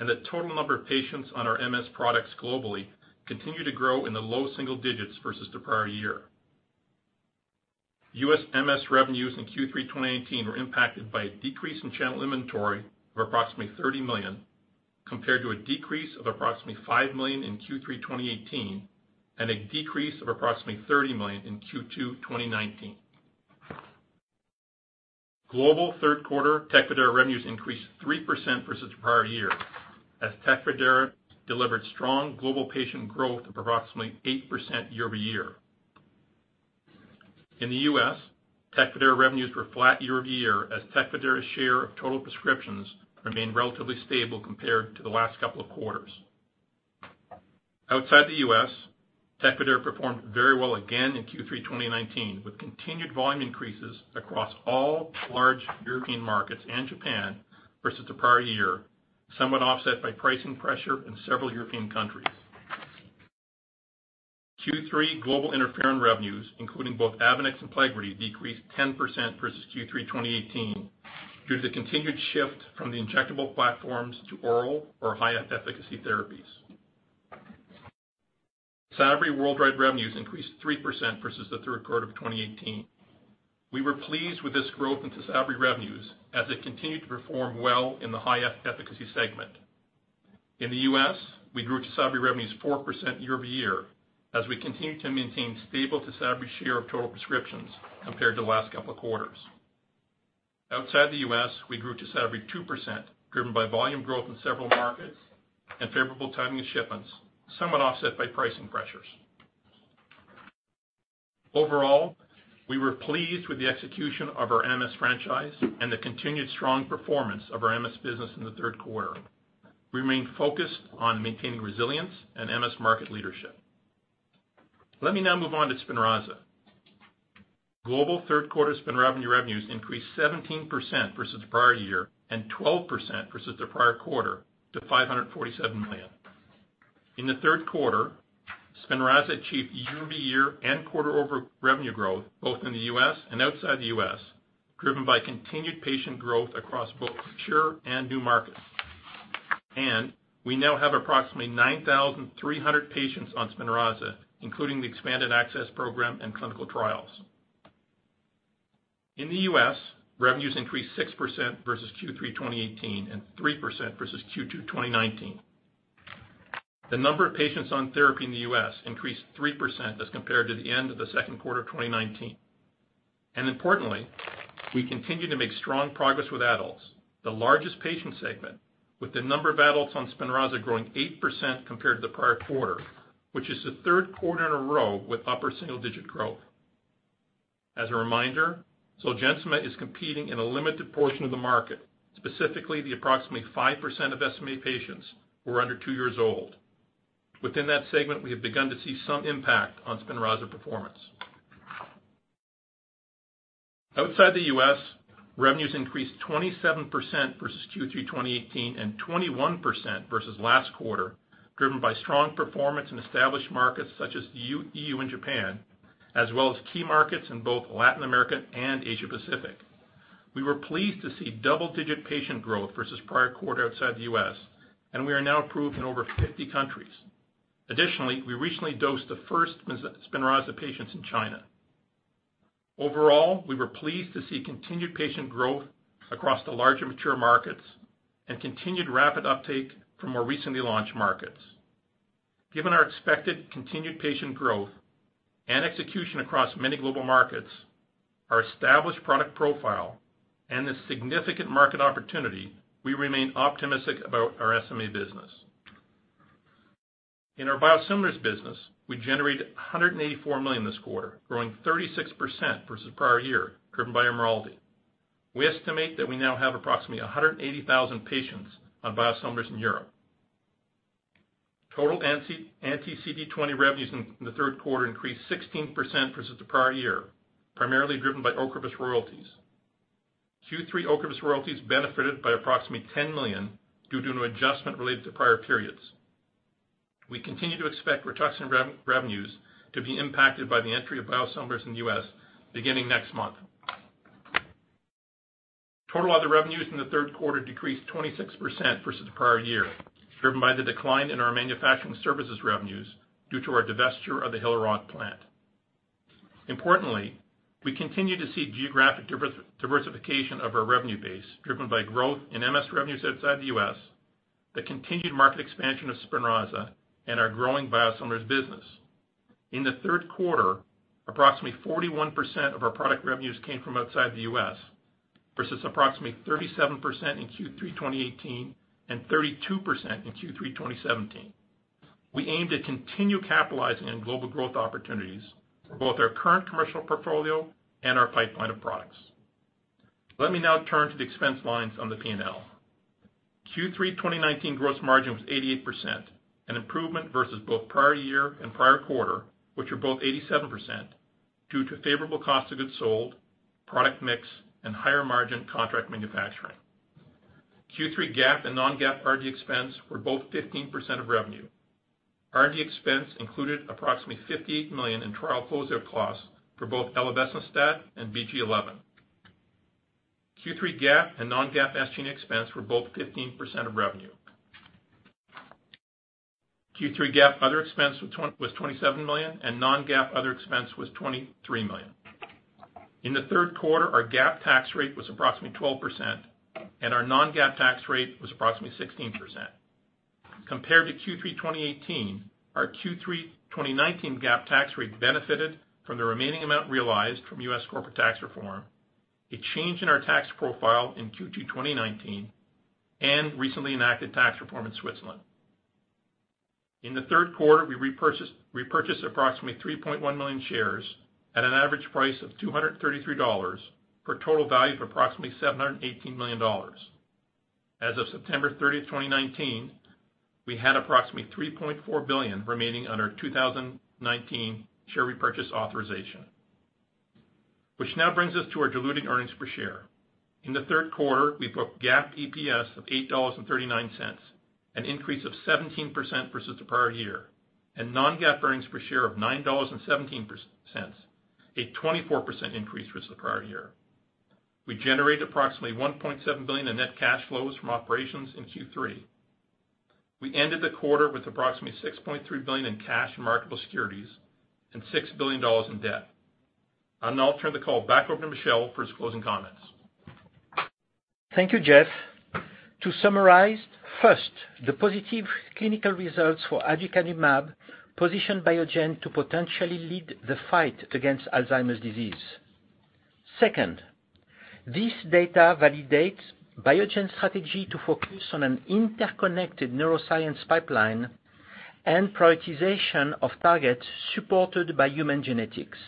Speaker 6: and the total number of patients on our MS products globally continue to grow in the low single digits versus the prior year. U.S. MS revenues in Q3 2019 were impacted by a decrease in channel inventory of approximately $30 million, compared to a decrease of approximately $5 million in Q3 2018 and a decrease of approximately $30 million in Q2 2019. Global third quarter TECFIDERA revenues increased 3% versus the prior year as TECFIDERA delivered strong global patient growth of approximately 8% year-over-year. In the U.S., TECFIDERA revenues were flat year-over-year as TECFIDERA's share of total prescriptions remained relatively stable compared to the last couple of quarters. Outside the U.S., TECFIDERA performed very well again in Q3 2019 with continued volume increases across all large European markets and Japan versus the prior year, somewhat offset by pricing pressure in several European countries. Q3 global interferon revenues, including both AVONEX and PLEGRIDY, decreased 10% versus Q3 2018 due to the continued shift from the injectable platforms to oral or high-efficacy therapies. TYSABRI worldwide revenues increased 3% versus the third quarter of 2018. We were pleased with this growth in TYSABRI revenues as it continued to perform well in the high-efficacy segment. In the U.S., we grew TYSABRI revenues 4% year-over-year as we continued to maintain stable TYSABRI share of total prescriptions compared to the last couple of quarters. Outside the U.S., we grew just average 2%, driven by volume growth in several markets and favorable timing of shipments, somewhat offset by pricing pressures. Overall, we were pleased with the execution of our MS franchise and the continued strong performance of our MS business in the third quarter. We remain focused on maintaining resilience and MS market leadership. Let me now move on to SPINRAZA. Global third quarter SPINRAZA revenues increased 17% versus the prior year, and 12% versus the prior quarter to $547 million. In the third quarter, SPINRAZA achieved year-over-year and quarter-over revenue growth, both in the U.S. and outside the U.S., driven by continued patient growth across both mature and new markets. We now have approximately 9,300 patients on SPINRAZA, including the expanded access program and clinical trials. In the U.S., revenues increased 6% versus Q3 2018, and 3% versus Q2 2019. The number of patients on therapy in the U.S. increased 3% as compared to the end of the second quarter of 2019. Importantly, we continue to make strong progress with adults, the largest patient segment, with the number of adults on SPINRAZA growing 8% compared to the prior quarter, which is the third quarter in a row with upper single-digit growth. As a reminder, ZOLGENSMA is competing in a limited portion of the market, specifically the approximately 5% of SMA patients who are under two years old. Within that segment, we have begun to see some impact on SPINRAZA performance. Outside the U.S., revenues increased 27% versus Q3 2018 and 21% versus last quarter, driven by strong performance in established markets such as the E.U. and Japan, as well as key markets in both Latin America and Asia-Pacific. Additionally, we recently dosed the first SPINRAZA patients in China. Overall, we were pleased to see double-digit patient growth versus prior quarter outside the U.S., and we are now approved in over 50 countries. Given our expected continued patient growth and execution across many global markets, our established product profile, and the significant market opportunity, we remain optimistic about our SMA business. In our biosimilars business, we generated $184 million this quarter, growing 36% versus the prior year, driven by IMRALDI. We estimate that we now have approximately 180,000 patients on biosimilars in Europe. Total anti-CD20 revenues in the third quarter increased 16% versus the prior year, primarily driven by OCREVUS royalties. Q3 OCREVUS royalties benefited by approximately $10 million due to an adjustment related to prior periods. We continue to expect RITUXAN revenues to be impacted by the entry of biosimilars in the U.S. beginning next month. Total other revenues in the third quarter decreased 26% versus the prior year, driven by the decline in our manufacturing services revenues due to our divestiture of the Hillerød plant. Importantly, we continue to see geographic diversification of our revenue base driven by growth in MS revenues outside the U.S., the continued market expansion of SPINRAZA, and our growing biosimilars business. In the third quarter, approximately 41% of our product revenues came from outside the U.S., versus approximately 37% in Q3 2018 and 32% in Q3 2017. We aim to continue capitalizing on global growth opportunities for both our current commercial portfolio and our pipeline of products. Let me now turn to the expense lines on the P&L. Q3 2019 gross margin was 88%, an improvement versus both prior year and prior quarter, which were both 87%, due to favorable cost of goods sold, product mix, and higher-margin contract manufacturing. Q3 GAAP and non-GAAP R&D expense were both 15% of revenue. R&D expense included approximately $58 million in trial closing costs for both elenbecestat and BG-12. Q3 GAAP and non-GAAP SG&A expense were both 15% of revenue. Q3 GAAP other expense was $27 million, and non-GAAP other expense was $23 million. In the third quarter, our GAAP tax rate was approximately 12%, and our non-GAAP tax rate was approximately 16%. Compared to Q3 2018, our Q3 2019 GAAP tax rate benefited from the remaining amount realized from U.S. corporate tax reform, a change in our tax profile in Q2 2019, and recently enacted tax reform in Switzerland. In the third quarter, we repurchased approximately 3.1 million shares at an average price of $233 for a total value of approximately $718 million. As of September 30th, 2019, we had approximately $3.4 billion remaining on our 2019 share repurchase authorization. Which now brings us to our dilutive earnings per share. In the third quarter, we booked GAAP EPS of $8.39, an increase of 17% versus the prior year, and non-GAAP earnings per share of $9.17, a 24% increase versus the prior year. We generated approximately $1.7 billion in net cash flows from operations in Q3. We ended the quarter with approximately $6.3 billion in cash and marketable securities and $6 billion in debt. I'll now turn the call back over to Michel for his closing comments.
Speaker 3: Thank you, Jeff. To summarize, first, the positive clinical results for aducanumab position Biogen to potentially lead the fight against Alzheimer's disease. Second, this data validates Biogen's strategy to focus on an interconnected neuroscience pipeline and prioritization of targets supported by human genetics.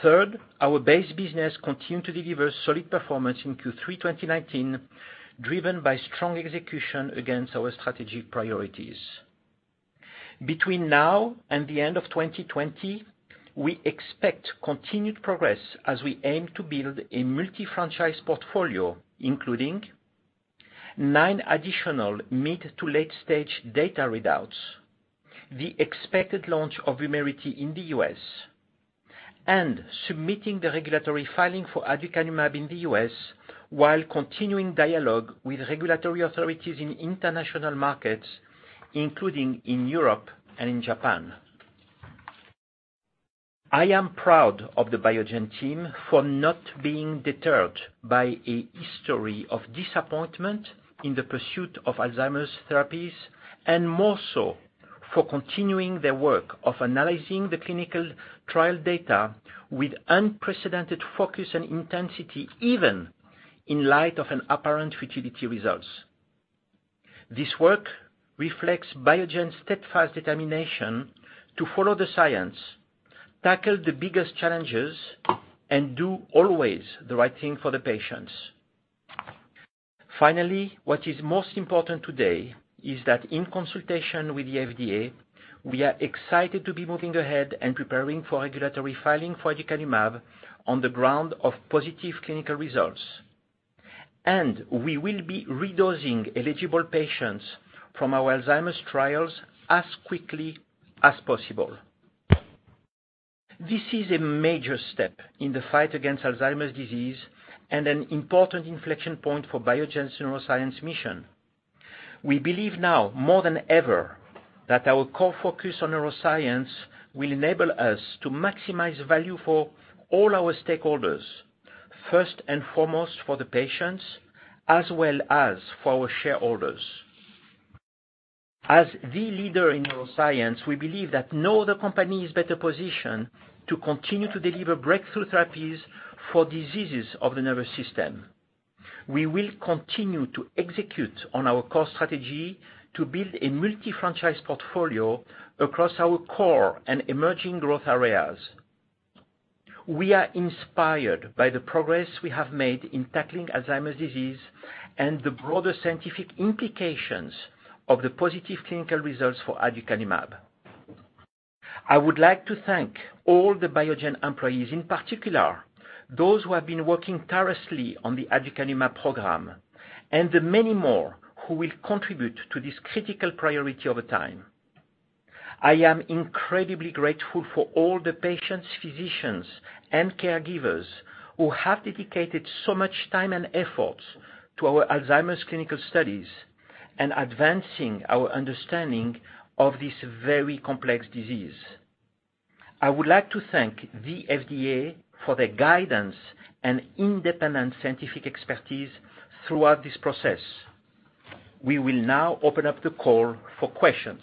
Speaker 3: Third, our base business continued to deliver solid performance in Q3 2019, driven by strong execution against our strategic priorities. Between now and the end of 2020, we expect continued progress as we aim to build a multi-franchise portfolio, including nine additional mid- to late-stage data readouts, the expected launch of Vumerity in the U.S., and submitting the regulatory filing for aducanumab in the U.S., while continuing dialogue with regulatory authorities in international markets, including in Europe and in Japan. I am proud of the Biogen team for not being deterred by a history of disappointment in the pursuit of Alzheimer's therapies, and more so for continuing their work of analyzing the clinical trial data with unprecedented focus and intensity, even in light of an apparent futility results. This work reflects Biogen's steadfast determination to follow the science, tackle the biggest challenges, and do always the right thing for the patients. Finally, what is most important today is that in consultation with the FDA, we are excited to be moving ahead and preparing for regulatory filing for aducanumab on the ground of positive clinical results. We will be redosing eligible patients from our Alzheimer's trials as quickly as possible. This is a major step in the fight against Alzheimer's disease and an important inflection point for Biogen's neuroscience mission. We believe now more than ever that our core focus on neuroscience will enable us to maximize value for all our stakeholders, first and foremost for the patients as well as for our shareholders. As the leader in neuroscience, we believe that no other company is better positioned to continue to deliver breakthrough therapies for diseases of the nervous system. We will continue to execute on our core strategy to build a multi-franchise portfolio across our core and emerging growth areas. We are inspired by the progress we have made in tackling Alzheimer's disease and the broader scientific implications of the positive clinical results for aducanumab. I would like to thank all the Biogen employees, in particular, those who have been working tirelessly on the aducanumab program and the many more who will contribute to this critical priority over time. I am incredibly grateful for all the patients, physicians, and caregivers who have dedicated so much time and effort to our Alzheimer's clinical studies and advancing our understanding of this very complex disease. I would like to thank the FDA for their guidance and independent scientific expertise throughout this process. We will now open up the call for questions.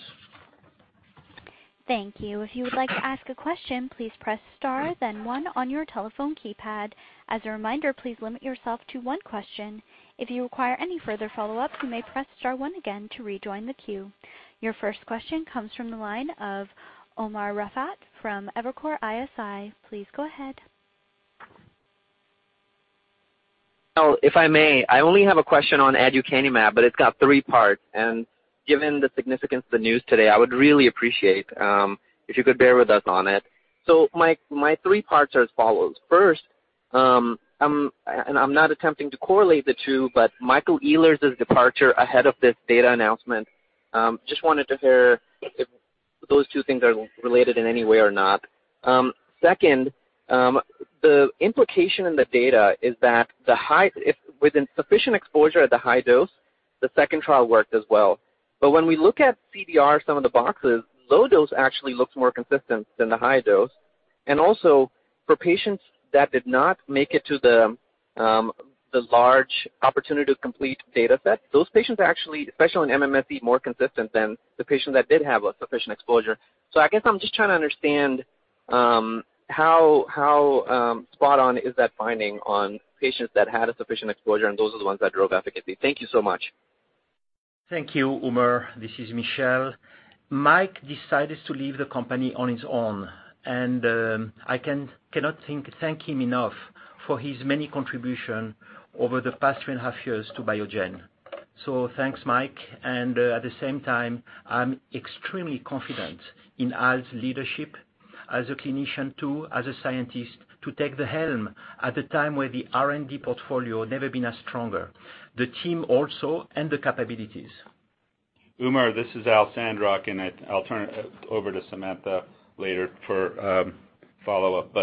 Speaker 1: Thank you. If you would like to ask a question, please press star then one on your telephone keypad. As a reminder, please limit yourself to one question. If you require any further follow-ups, you may press star one again to rejoin the queue. Your first question comes from the line of Umer Raffat from Evercore ISI. Please go ahead.
Speaker 7: Oh, if I may, I only have a question on aducanumab, but it's got three parts, and given the significance of the news today, I would really appreciate if you could bear with us on it. My three parts are as follows. First, and I'm not attempting to correlate the two, but Michael Ehlers' departure ahead of this data announcement, just wanted to hear if those two things are related in any way or not. Second, the implication in the data is that within sufficient exposure at the high dose, the second trial worked as well. When we look at CDR, some of the boxes, low dose actually looks more consistent than the high dose. Also for patients that did not make it to the large opportunity to complete dataset, those patients are actually, especially on MMSE, more consistent than the patients that did have a sufficient exposure. I guess I'm just trying to understand how spot on is that finding on patients that had a sufficient exposure and those are the ones that drove efficacy. Thank you so much.
Speaker 3: Thank you, Umer. This is Michel. Mike decided to leave the company on his own, and I cannot thank him enough for his many contribution over the past three and a half years to Biogen. Thanks, Mike, and at the same time, I'm extremely confident in Al's leadership as a clinician too, as a scientist to take the helm at the time where the R&D portfolio never been as stronger. The team also and the capabilities.
Speaker 4: Umer, this is Alfred Sandrock, and I'll turn it over to Samantha later for follow-up.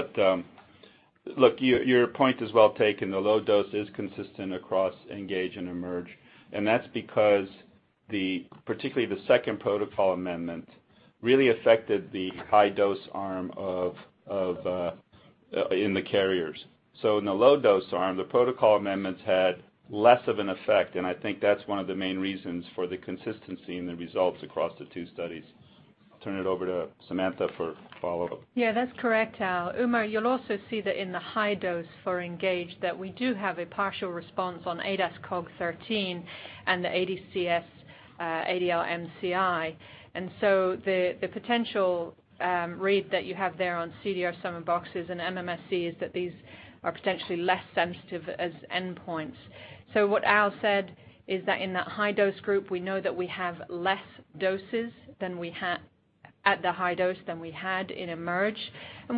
Speaker 4: Look, your point is well taken. The low dose is consistent across ENGAGE and EMERGE, and that's because particularly the second protocol amendment really affected the high-dose arm in the carriers. In the low-dose arm, the protocol amendments had less of an effect, and I think that's one of the main reasons for the consistency in the results across the two studies. I'll turn it over to Samantha for follow-up.
Speaker 5: Yeah, that's correct, Al. Umer, you'll also see that in the high dose for ENGAGE, that we do have a partial response on ADAS-Cog 13 and the ADCS-ADL-MCI. The potential read that you have there on CDR Sum of Boxes and MMSE is that these are potentially less sensitive as endpoints. What Al said is that in that high-dose group, we know that we have less doses at the high dose than we had in EMERGE.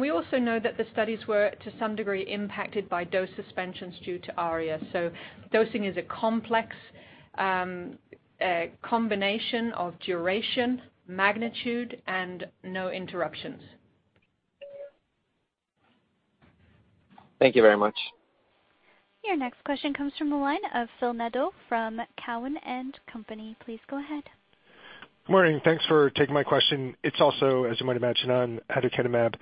Speaker 5: We also know that the studies were, to some degree, impacted by dose suspensions due to ARIA. Dosing is a complex combination of duration, magnitude, and no interruptions.
Speaker 7: Thank you very much.
Speaker 1: Your next question comes from the line of Philip Nadeau from Cowen and Company. Please go ahead.
Speaker 8: Morning. Thanks for taking my question. It's also, as you might imagine, on aducanumab.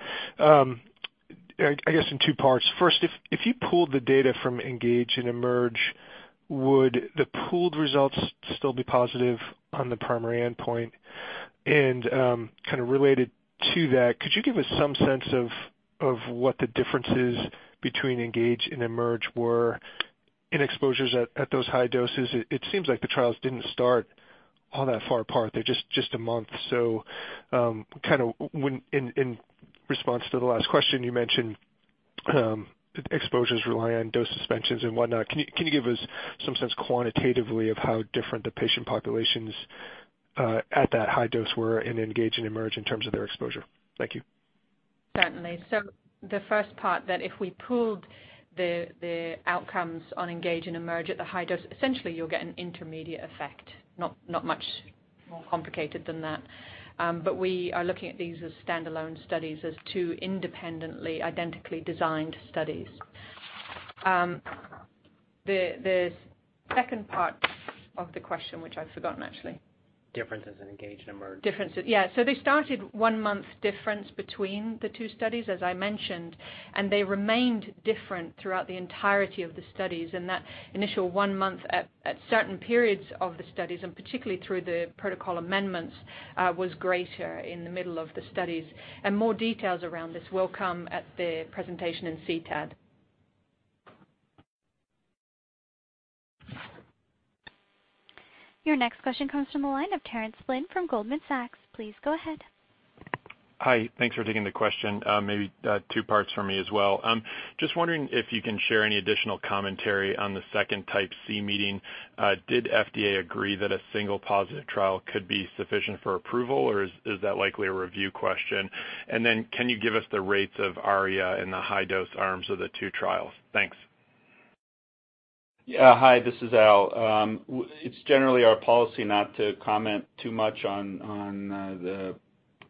Speaker 8: I guess in two parts. First, if you pooled the data from ENGAGE and EMERGE, would the pooled results still be positive on the primary endpoint? Kind of related to that, could you give us some sense of what the differences between ENGAGE and EMERGE were in exposures at those high doses? It seems like the trials didn't start all that far apart. They're just a month. In response to the last question you mentioned exposures rely on dose suspensions and whatnot. Can you give us some sense quantitatively of how different the patient populations at that high dose were in ENGAGE and EMERGE in terms of their exposure? Thank you.
Speaker 5: Certainly. The first part, that if we pooled the outcomes on ENGAGE and EMERGE at the high dose, essentially you'll get an intermediate effect, not much more complicated than that. We are looking at these as standalone studies as two independently identically designed studies. The second part of the question, which I've forgotten actually.
Speaker 4: Differences in ENGAGE and EMERGE.
Speaker 5: Differences. Yeah. They started one month difference between the two studies, as I mentioned, and they remained different throughout the entirety of the studies. That initial one month at certain periods of the studies, and particularly through the protocol amendments, was greater in the middle of the studies. More details around this will come at the presentation in CTAD.
Speaker 1: Your next question comes from the line of Terence Flynn from Goldman Sachs. Please go ahead.
Speaker 9: Hi. Thanks for taking the question. Maybe two parts from me as well. Just wondering if you can share any additional commentary on the second Type C meeting. Did FDA agree that a single positive trial could be sufficient for approval, or is that likely a review question? Can you give us the rates of ARIA in the high-dose arms of the two trials? Thanks.
Speaker 4: Yeah. Hi, this is Al. It's generally our policy not to comment too much on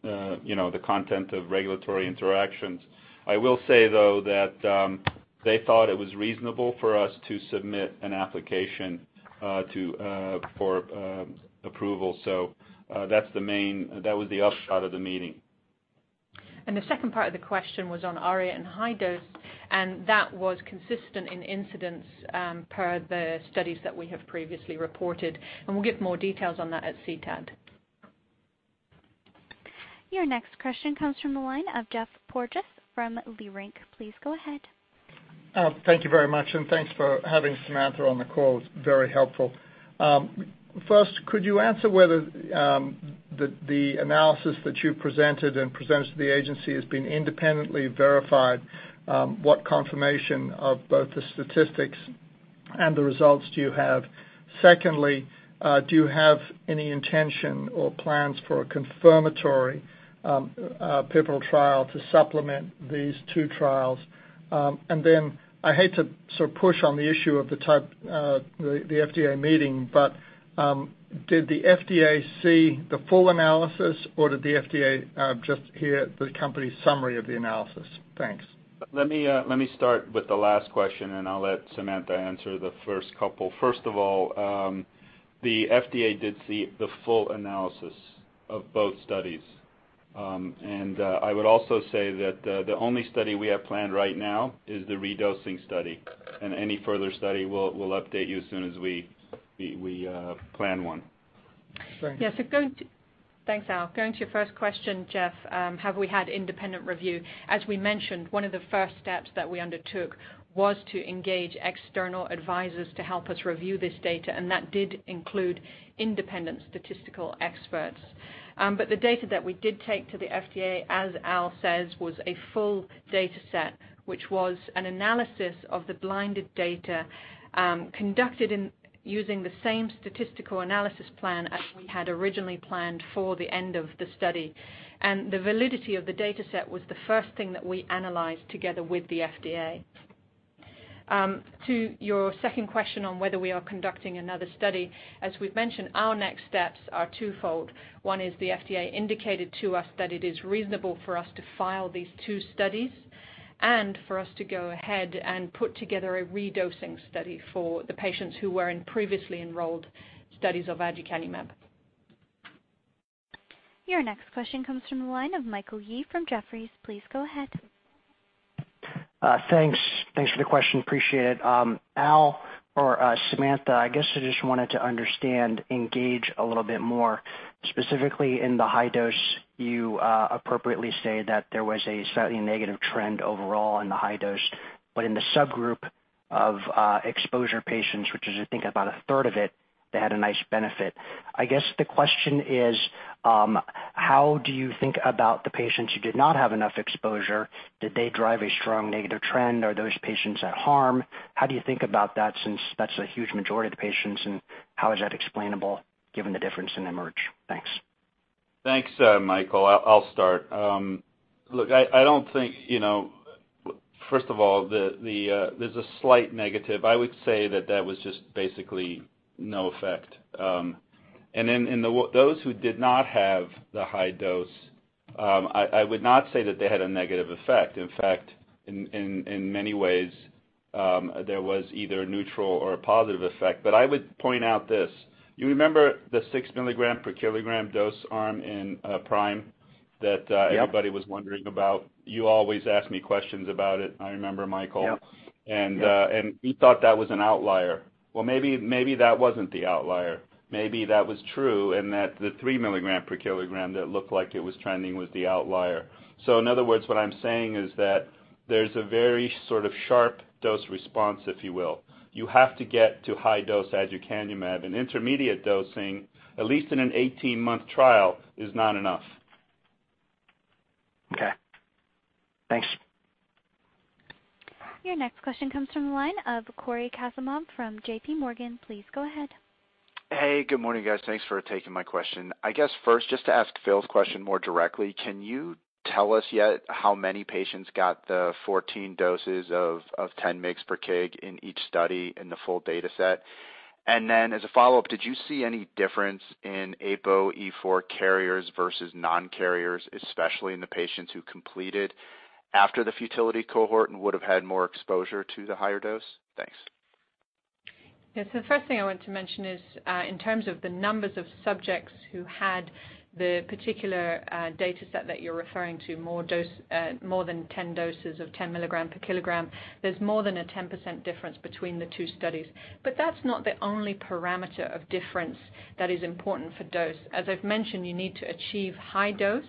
Speaker 4: the content of regulatory interactions. I will say, though, that they thought it was reasonable for us to submit an application for approval. That was the upshot of the meeting.
Speaker 5: The second part of the question was on ARIA and high dose, and that was consistent in incidence per the studies that we have previously reported. We'll give more details on that at CTAD.
Speaker 1: Your next question comes from the line of Jeff Portes from B. Riley. Please go ahead.
Speaker 10: Thank you very much. Thanks for having Samantha on the call. It's very helpful. First, could you answer whether the analysis that you presented and presented to the agency has been independently verified? What confirmation of both the statistics and the results do you have? Secondly, do you have any intention or plans for a confirmatory pivotal trial to supplement these two trials? I hate to sort of push on the issue of the FDA meeting, but did the FDA see the full analysis, or did the FDA just hear the company's summary of the analysis? Thanks.
Speaker 4: Let me start with the last question, and I'll let Samantha answer the first couple. First of all, the FDA did see the full analysis of both studies. I would also say that the only study we have planned right now is the redosing study, and any further study, we'll update you as soon as we plan one.
Speaker 10: Thanks.
Speaker 5: Thanks, Al. Going to your first question, Jeff, have we had independent review? As we mentioned, one of the first steps that we undertook was to engage external advisors to help us review this data, and that did include independent statistical experts. The data that we did take to the FDA, as Al says, was a full dataset, which was an analysis of the blinded data conducted using the same statistical analysis plan as we had originally planned for the end of the study. The validity of the dataset was the first thing that we analyzed together with the FDA. To your second question on whether we are conducting another study, as we've mentioned, our next steps are twofold. One is the FDA indicated to us that it is reasonable for us to file these two studies and for us to go ahead and put together a redosing study for the patients who were in previously enrolled studies of aducanumab.
Speaker 1: Your next question comes from the line of Michael Yee from Jefferies. Please go ahead.
Speaker 11: Thanks for the question, appreciate it. Al or Samantha, I guess I just wanted to understand ENGAGE a little bit more. Specifically in the high dose, you appropriately say that there was a slightly negative trend overall in the high dose. In the subgroup of exposure patients, which is, I think, about a third of it, they had a nice benefit. I guess the question is: how do you think about the patients who did not have enough exposure? Did they drive a strong negative trend? Are those patients at harm? How do you think about that, since that's a huge majority of the patients, and how is that explainable given the difference in EMERGE? Thanks.
Speaker 4: Thanks, Michael. I'll start. Look, first of all, there's a slight negative. I would say that was just basically no effect. In those who did not have the high dose, I would not say that they had a negative effect. In fact, in many ways, there was either a neutral or a positive effect. I would point out this. You remember the six milligram per kilogram dose arm in PRIME.
Speaker 11: Yep
Speaker 4: everybody was wondering about? You always ask me questions about it, I remember, Michael.
Speaker 11: Yep.
Speaker 4: We thought that was an outlier. Maybe that wasn't the outlier. Maybe that was true and that the three milligram per kilogram that looked like it was trending was the outlier. In other words, what I'm saying is that there's a very sort of sharp dose response, if you will. You have to get to high dose aducanumab. An intermediate dosing, at least in an 18-month trial, is not enough.
Speaker 11: Okay. Thanks.
Speaker 1: Your next question comes from the line of Cory Kasimov from JPMorgan. Please go ahead.
Speaker 12: Hey, good morning, guys. Thanks for taking my question. I guess first, just to ask Phil's question more directly, can you tell us yet how many patients got the 14 doses of 10 mgs per kg in each study in the full data set? As a follow-up, did you see any difference in APOE4 carriers versus non-carriers, especially in the patients who completed after the futility cohort and would have had more exposure to the higher dose? Thanks.
Speaker 5: Yes. The first thing I want to mention is, in terms of the numbers of subjects who had the particular data set that you're referring to, more than 10 doses of 10 milligram per kilogram, there's more than a 10% difference between the two studies. That's not the only parameter of difference that is important for dose. As I've mentioned, you need to achieve high dose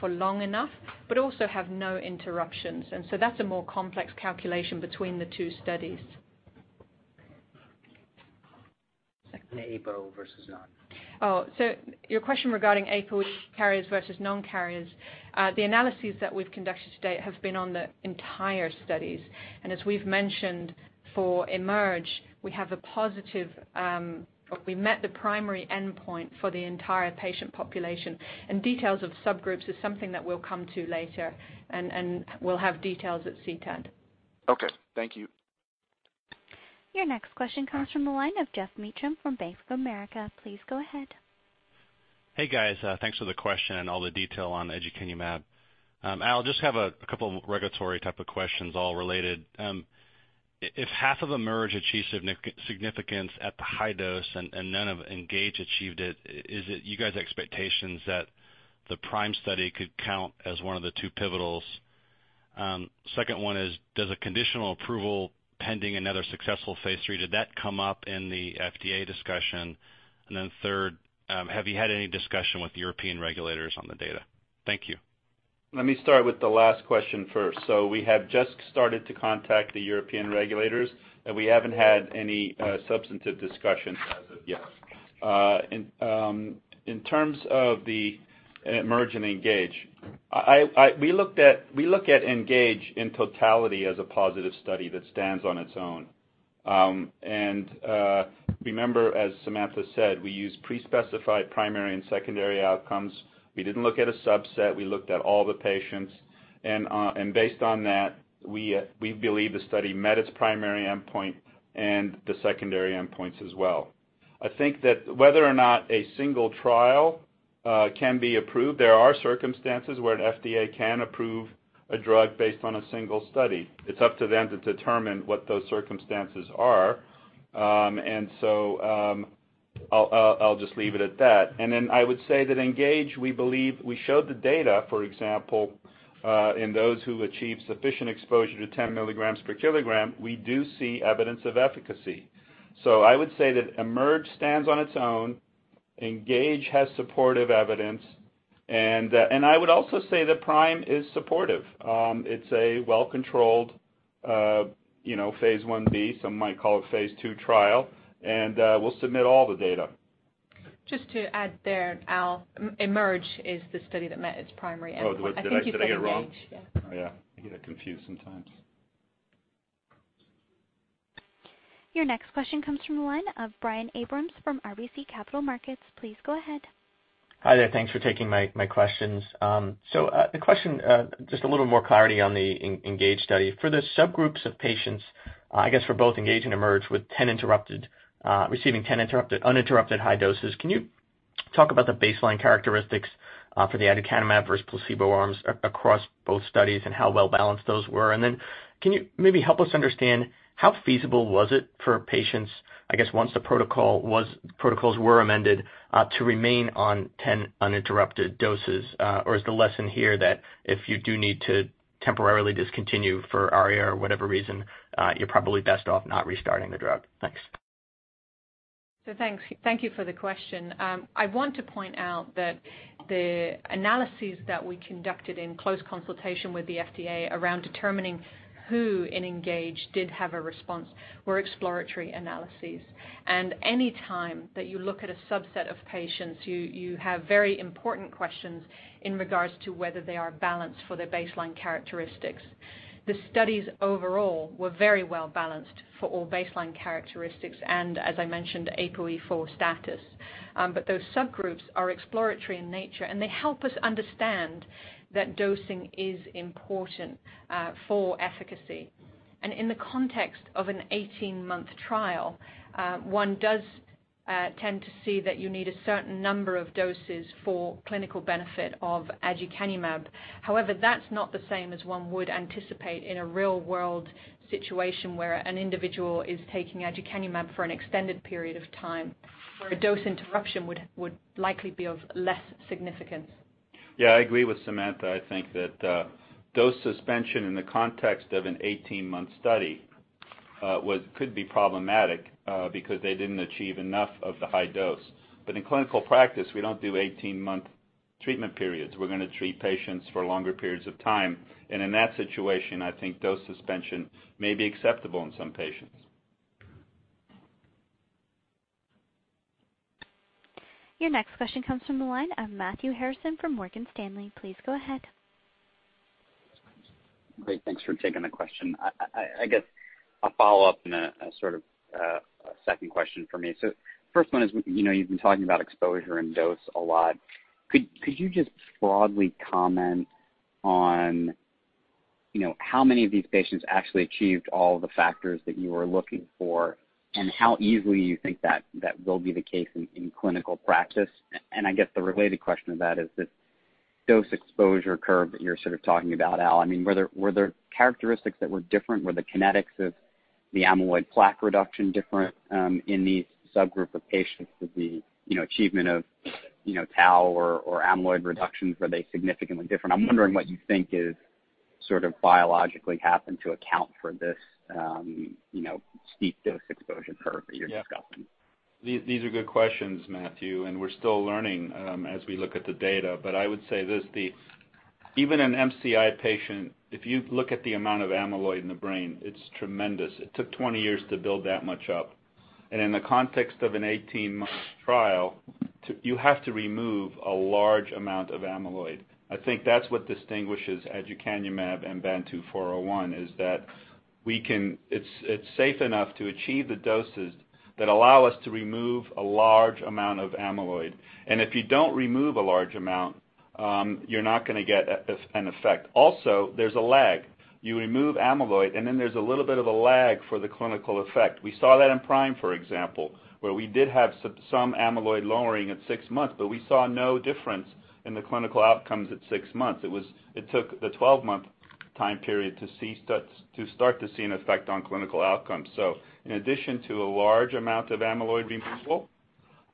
Speaker 5: for long enough, but also have no interruptions. That's a more complex calculation between the two studies. The APO versus non. Your question regarding APO carriers versus non-carriers. The analyses that we've conducted to date have been on the entire studies. As we've mentioned for EMERGE, we met the primary endpoint for the entire patient population. Details of subgroups is something that we'll come to later, and we'll have details at CTAD.
Speaker 12: Okay, thank you.
Speaker 1: Your next question comes from the line of Geoff Meacham from Bank of America. Please go ahead.
Speaker 13: Hey, guys. Thanks for the question and all the detail on aducanumab. Al, just have a couple of regulatory type of questions, all related. If half of EMERGE achieved significance at the high dose and none of ENGAGE achieved it, is it you guys' expectations that the PRIME study could count as one of the two pivotals? Second one is, does a conditional approval pending another successful phase III, did that come up in the FDA discussion? Then third, have you had any discussion with European regulators on the data? Thank you.
Speaker 4: Let me start with the last question first. We have just started to contact the European regulators, and we haven't had any substantive discussions as of yet. In terms of the EMERGE and ENGAGE, we look at ENGAGE in totality as a positive study that stands on its own. Remember, as Samantha said, we use pre-specified primary and secondary outcomes. We didn't look at a subset. We looked at all the patients. Based on that, we believe the study met its primary endpoint and the secondary endpoints as well. I think that whether or not a single trial can be approved, there are circumstances where an FDA can approve a drug based on a single study. It's up to them to determine what those circumstances are. I'll just leave it at that. I would say that ENGAGE, we believe we showed the data, for example, in those who achieved sufficient exposure to 10 milligrams per kilogram, we do see evidence of efficacy. I would say that EMERGE stands on its own. ENGAGE has supportive evidence. I would also say that PRIME is supportive. It's a well-controlled phase I-B, some might call it phase II trial. We'll submit all the data.
Speaker 5: Just to add there, Al, EMERGE is the study that met its primary endpoint.
Speaker 4: Oh, did I get it wrong?
Speaker 5: I think you said ENGAGE. Yeah.
Speaker 4: Oh, yeah. I get it confused sometimes.
Speaker 1: Your next question comes from the line of Brian Abrahams from RBC Capital Markets. Please go ahead.
Speaker 14: Hi there. Thanks for taking my questions. The question, just a little more clarity on the ENGAGE study. For the subgroups of patients, I guess for both ENGAGE and EMERGE receiving 10 uninterrupted high doses, can you talk about the baseline characteristics for the aducanumab versus placebo arms across both studies and how well balanced those were? Then can you maybe help us understand how feasible was it for patients, I guess once the protocols were amended, to remain on 10 uninterrupted doses? Or is the lesson here that if you do need to. temporarily discontinue for ARIA or whatever reason, you're probably best off not restarting the drug. Thanks.
Speaker 5: Thanks. Thank you for the question. I want to point out that the analyses that we conducted in close consultation with the FDA around determining who in ENGAGE did have a response were exploratory analyses. Any time that you look at a subset of patients, you have very important questions in regards to whether they are balanced for their baseline characteristics. The studies overall were very well-balanced for all baseline characteristics and, as I mentioned, APOE4 status. Those subgroups are exploratory in nature, and they help us understand that dosing is important for efficacy. In the context of an 18-month trial, one does tend to see that you need a certain number of doses for clinical benefit of aducanumab. However, that's not the same as one would anticipate in a real-world situation where an individual is taking aducanumab for an extended period of time, where a dose interruption would likely be of less significance.
Speaker 4: Yeah, I agree with Samantha. I think that dose suspension in the context of an 18-month study could be problematic because they didn't achieve enough of the high dose. In clinical practice, we don't do 18-month treatment periods. We're going to treat patients for longer periods of time. In that situation, I think dose suspension may be acceptable in some patients.
Speaker 1: Your next question comes from the line of Matthew Harrison from Morgan Stanley. Please go ahead.
Speaker 15: Great. Thanks for taking the question. I guess a follow-up and a sort of second question for me. The first one is, you've been talking about exposure and dose a lot. Could you just broadly comment on how many of these patients actually achieved all the factors that you were looking for, and how easily you think that will be the case in clinical practice? I guess the related question to that is this dose exposure curve that you're sort of talking about, Al, were there characteristics that were different? Were the kinetics of the amyloid plaque reduction different in these subgroup of patients with the achievement of tau or amyloid reductions? Were they significantly different? I'm wondering what you think is sort of biologically happened to account for this steep dose exposure curve that you're discussing.
Speaker 4: Yeah. These are good questions, Matthew. We're still learning as we look at the data. I would say this, even an MCI patient, if you look at the amount of amyloid in the brain, it's tremendous. It took 20 years to build that much up. In the context of an 18-month trial, you have to remove a large amount of amyloid. I think that's what distinguishes aducanumab and BAN2401, is that it's safe enough to achieve the doses that allow us to remove a large amount of amyloid. If you don't remove a large amount, you're not going to get an effect. Also, there's a lag. You remove amyloid, and then there's a little bit of a lag for the clinical effect. We saw that in PRIME, for example, where we did have some amyloid lowering at six months, but we saw no difference in the clinical outcomes at six months. It took the 12-month time period to start to see an effect on clinical outcomes. In addition to a large amount of amyloid removal,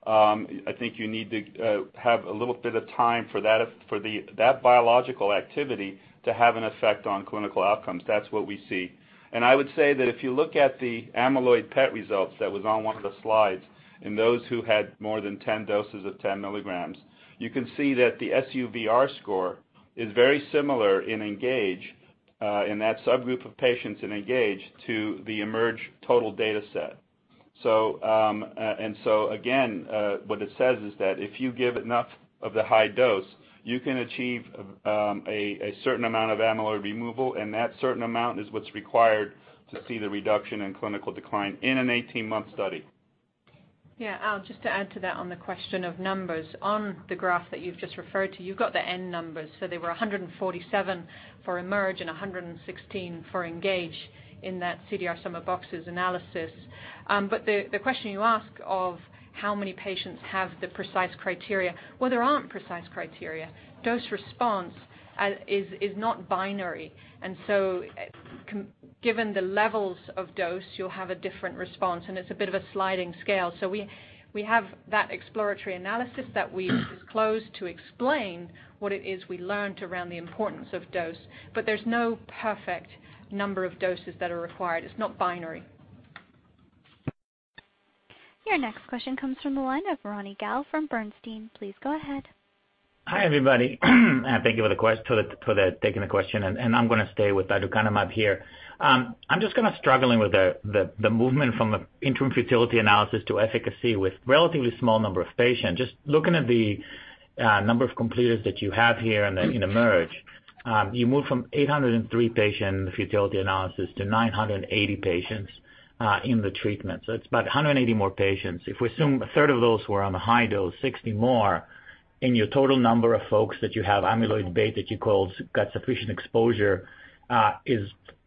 Speaker 4: I think you need to have a little bit of time for that biological activity to have an effect on clinical outcomes. That's what we see. I would say that if you look at the amyloid PET results that was on one of the slides, in those who had more than 10 doses of 10 milligrams, you can see that the SUVR score is very similar in that subgroup of patients in ENGAGE to the EMERGE total data set. Again, what it says is that if you give enough of the high dose, you can achieve a certain amount of amyloid removal, and that certain amount is what's required to see the reduction in clinical decline in an 18-month study.
Speaker 5: Al, just to add to that on the question of numbers. On the graph that you've just referred to, you've got the N numbers. They were 147 for EMERGE and 116 for ENGAGE in that CDR Sum of Boxes analysis. The question you ask of how many patients have the precise criteria, well, there aren't precise criteria. Dose response is not binary. Given the levels of dose, you'll have a different response, and it's a bit of a sliding scale. We have that exploratory analysis that we've disclosed to explain what it is we learned around the importance of dose. There's no perfect number of doses that are required. It's not binary.
Speaker 1: Your next question comes from the line of Ronny Gal from Bernstein. Please go ahead.
Speaker 16: Hi, everybody, thank you for taking the question. I'm going to stay with aducanumab here. I'm just kind of struggling with the movement from the interim futility analysis to efficacy with relatively small number of patients. Just looking at the number of completers that you have here and in EMERGE. You moved from 803 patients in the futility analysis to 980 patients in the treatment. It's about 180 more patients. If we assume a third of those were on the high dose, 60 more in your total number of folks that you have amyloid beta that you called got sufficient exposure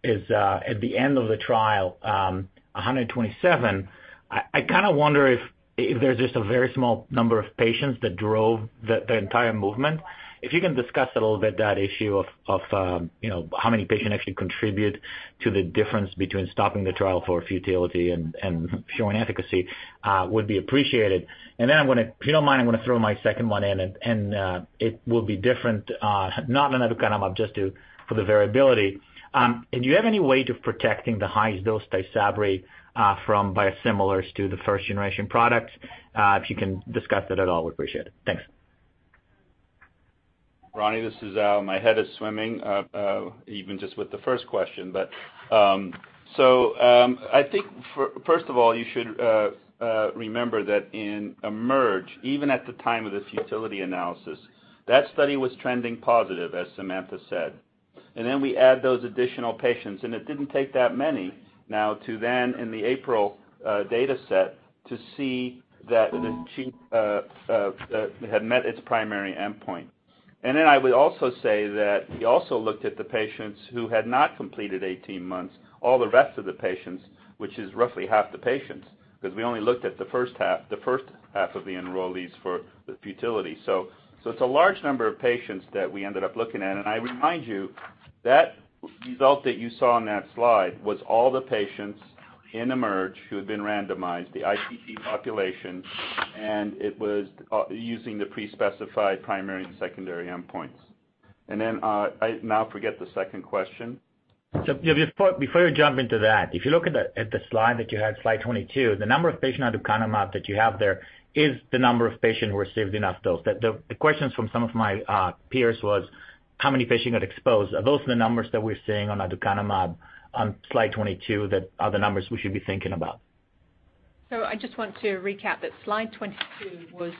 Speaker 16: is at the end of the trial, 127. I kind of wonder if there's just a very small number of patients that drove the entire movement. If you can discuss a little bit that issue of how many patients actually contribute to the difference between stopping the trial for futility and showing efficacy would be appreciated. If you don't mind, I'm going to throw my second one in and it will be different, not on aducanumab just to for the variability. Do you have any way to protecting the highest dose TYSABRI from biosimilars to the first-generation products? If you can discuss that at all, we'd appreciate it. Thanks.
Speaker 4: Ronny, this is Al. My head is swimming even just with the first question. I think first of all, you should remember that in EMERGE, even at the time of the futility analysis, that study was trending positive, as Samantha said. Then we add those additional patients, and it didn't take that many now to then in the April data set to see that it had met its primary endpoint. Then I would also say that we also looked at the patients who had not completed 18 months, all the rest of the patients, which is roughly half the patients because we only looked at the first half of the enrollees for the futility. It's a large number of patients that we ended up looking at. I remind you that result that you saw on that slide was all the patients in EMERGE who had been randomized, the ITT population, and it was using the pre-specified primary and secondary endpoints. I now forget the second question.
Speaker 16: Before you jump into that, if you look at the slide that you had, slide 22, the number of patients on aducanumab that you have there is the number of patients who received enough dose. The questions from some of my peers was how many patients got exposed. Are those the numbers that we're seeing on aducanumab on slide 22 that are the numbers we should be thinking about?
Speaker 5: I just want to recap that slide 22 was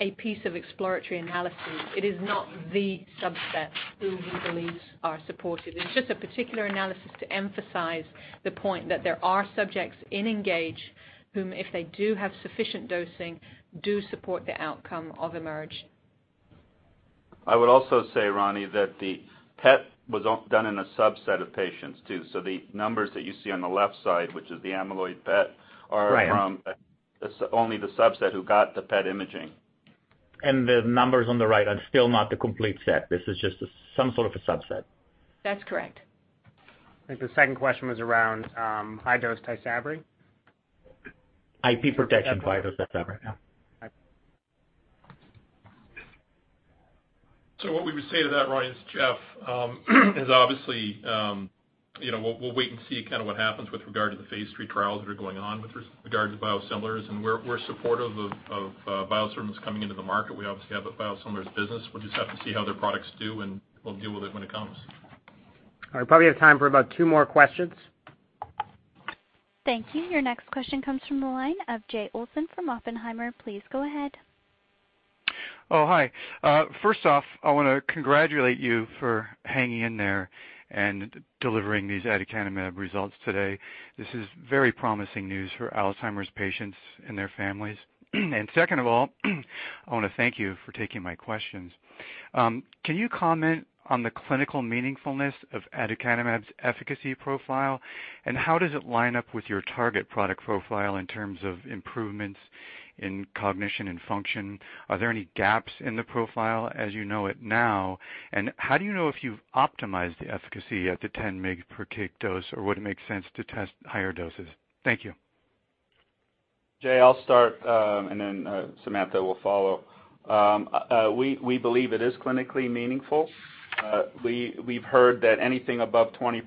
Speaker 5: a piece of exploratory analysis. It is not the subset who we believe are supported. It's just a particular analysis to emphasize the point that there are subjects in ENGAGE whom if they do have sufficient dosing, do support the outcome of EMERGE.
Speaker 4: I would also say, Ronny, that the PET was done in a subset of patients too. The numbers that you see on the left side, which is the amyloid PET.
Speaker 16: Right
Speaker 4: are from only the subset who got the PET imaging.
Speaker 16: The numbers on the right are still not the complete set. This is just some sort of a subset.
Speaker 5: That's correct.
Speaker 2: I think the second question was around high-dose TYSABRI.
Speaker 16: IP protection, high-dose TYSABRI. Yeah.
Speaker 2: All right.
Speaker 6: What we would say to that, Ronny, as Jeff, is obviously we'll wait and see what happens with regard to the phase III trials that are going on with regard to biosimilars and we're supportive of biosimilars coming into the market. We obviously have a biosimilars business. We'll just have to see how their products do, and we'll deal with it when it comes.
Speaker 2: All right. We probably have time for about two more questions.
Speaker 1: Thank you. Your next question comes from the line of Jay Olson from Oppenheimer. Please go ahead.
Speaker 17: Oh, hi. First off, I want to congratulate you for hanging in there and delivering these aducanumab results today. This is very promising news for Alzheimer's patients and their families. Second of all, I want to thank you for taking my questions. Can you comment on the clinical meaningfulness of aducanumab's efficacy profile, and how does it line up with your target product profile in terms of improvements in cognition and function? Are there any gaps in the profile as you know it now, and how do you know if you've optimized the efficacy at the 10 mg per kg dose, or would it make sense to test higher doses? Thank you.
Speaker 4: Jay, I'll start and then Samantha will follow. We believe it is clinically meaningful. We've heard that anything above 20%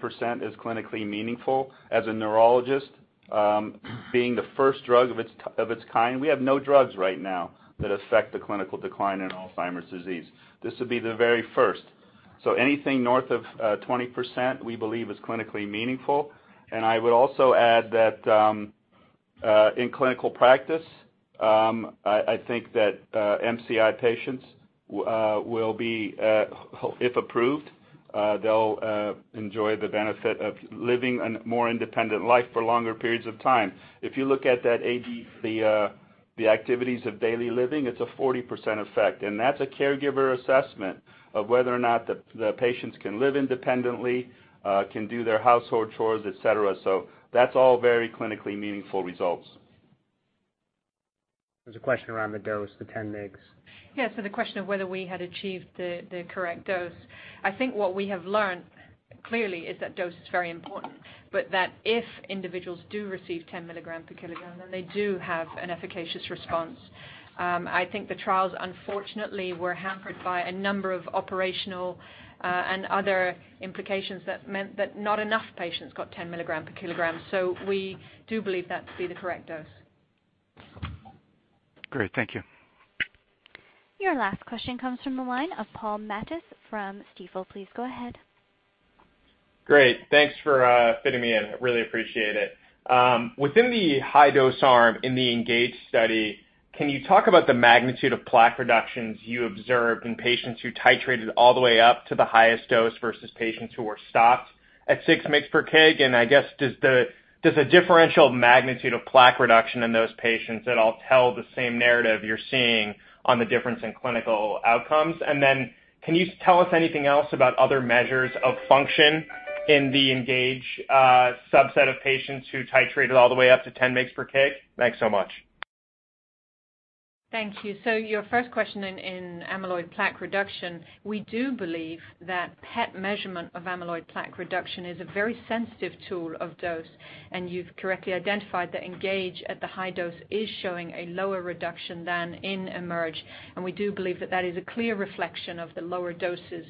Speaker 4: is clinically meaningful as a neurologist. Being the first drug of its kind, we have no drugs right now that affect the clinical decline in Alzheimer's disease. This would be the very first. Anything north of 20% we believe is clinically meaningful. I would also add that in clinical practice, I think that MCI patients will be, if approved, they'll enjoy the benefit of living a more independent life for longer periods of time. If you look at the activities of daily living, it's a 40% effect, and that's a caregiver assessment of whether or not the patients can live independently, can do their household chores, et cetera. That's all very clinically meaningful results.
Speaker 2: There's a question around the dose, the 10 mgs.
Speaker 5: The question of whether we had achieved the correct dose. I think what we have learned clearly is that dose is very important, but that if individuals do receive 10 milligrams per kilogram, then they do have an efficacious response. I think the trials, unfortunately, were hampered by a number of operational and other implications that meant that not enough patients got 10 milligrams per kilogram. We do believe that to be the correct dose.
Speaker 17: Great. Thank you.
Speaker 1: Your last question comes from the line of Paul Matteis from Stifel. Please go ahead.
Speaker 18: Great. Thanks for fitting me in. I really appreciate it. Within the high-dose arm in the ENGAGE, can you talk about the magnitude of plaque reductions you observed in patients who titrated all the way up to the highest dose versus patients who were stopped at six mgs per kg, I guess does the differential magnitude of plaque reduction in those patients at all tell the same narrative you're seeing on the difference in clinical outcomes? Can you tell us anything else about other measures of function in the ENGAGE subset of patients who titrated all the way up to 10 mgs per kg? Thanks so much.
Speaker 5: Thank you. Your first question in amyloid plaque reduction, we do believe that PET measurement of amyloid plaque reduction is a very sensitive tool of dose, and you've correctly identified that ENGAGE at the high dose is showing a lower reduction than in EMERGE, and we do believe that that is a clear reflection of the lower doses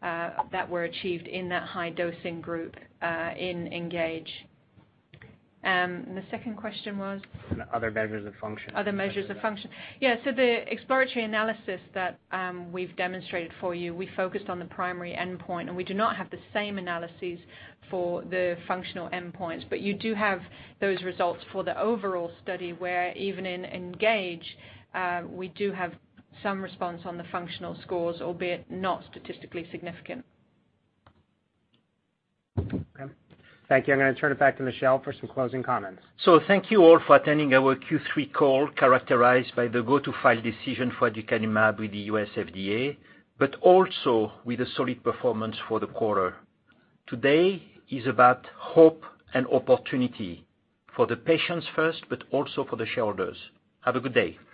Speaker 5: that were achieved in that high dosing group, in ENGAGE. The second question was?
Speaker 2: Other measures of function.
Speaker 5: Other measures of function. The exploratory analysis that we've demonstrated for you, we focused on the primary endpoint, and we do not have the same analyses for the functional endpoints, but you do have those results for the overall study where even in ENGAGE, we do have some response on the functional scores, albeit not statistically significant.
Speaker 2: Okay. Thank you. I'm going to turn it back to Michel for some closing comments.
Speaker 3: Thank you all for attending our Q3 call characterized by the go-to-file decision for aducanumab with the US FDA, but also with a solid performance for the quarter. Today is about hope and opportunity for the patients first, but also for the shareholders. Have a good day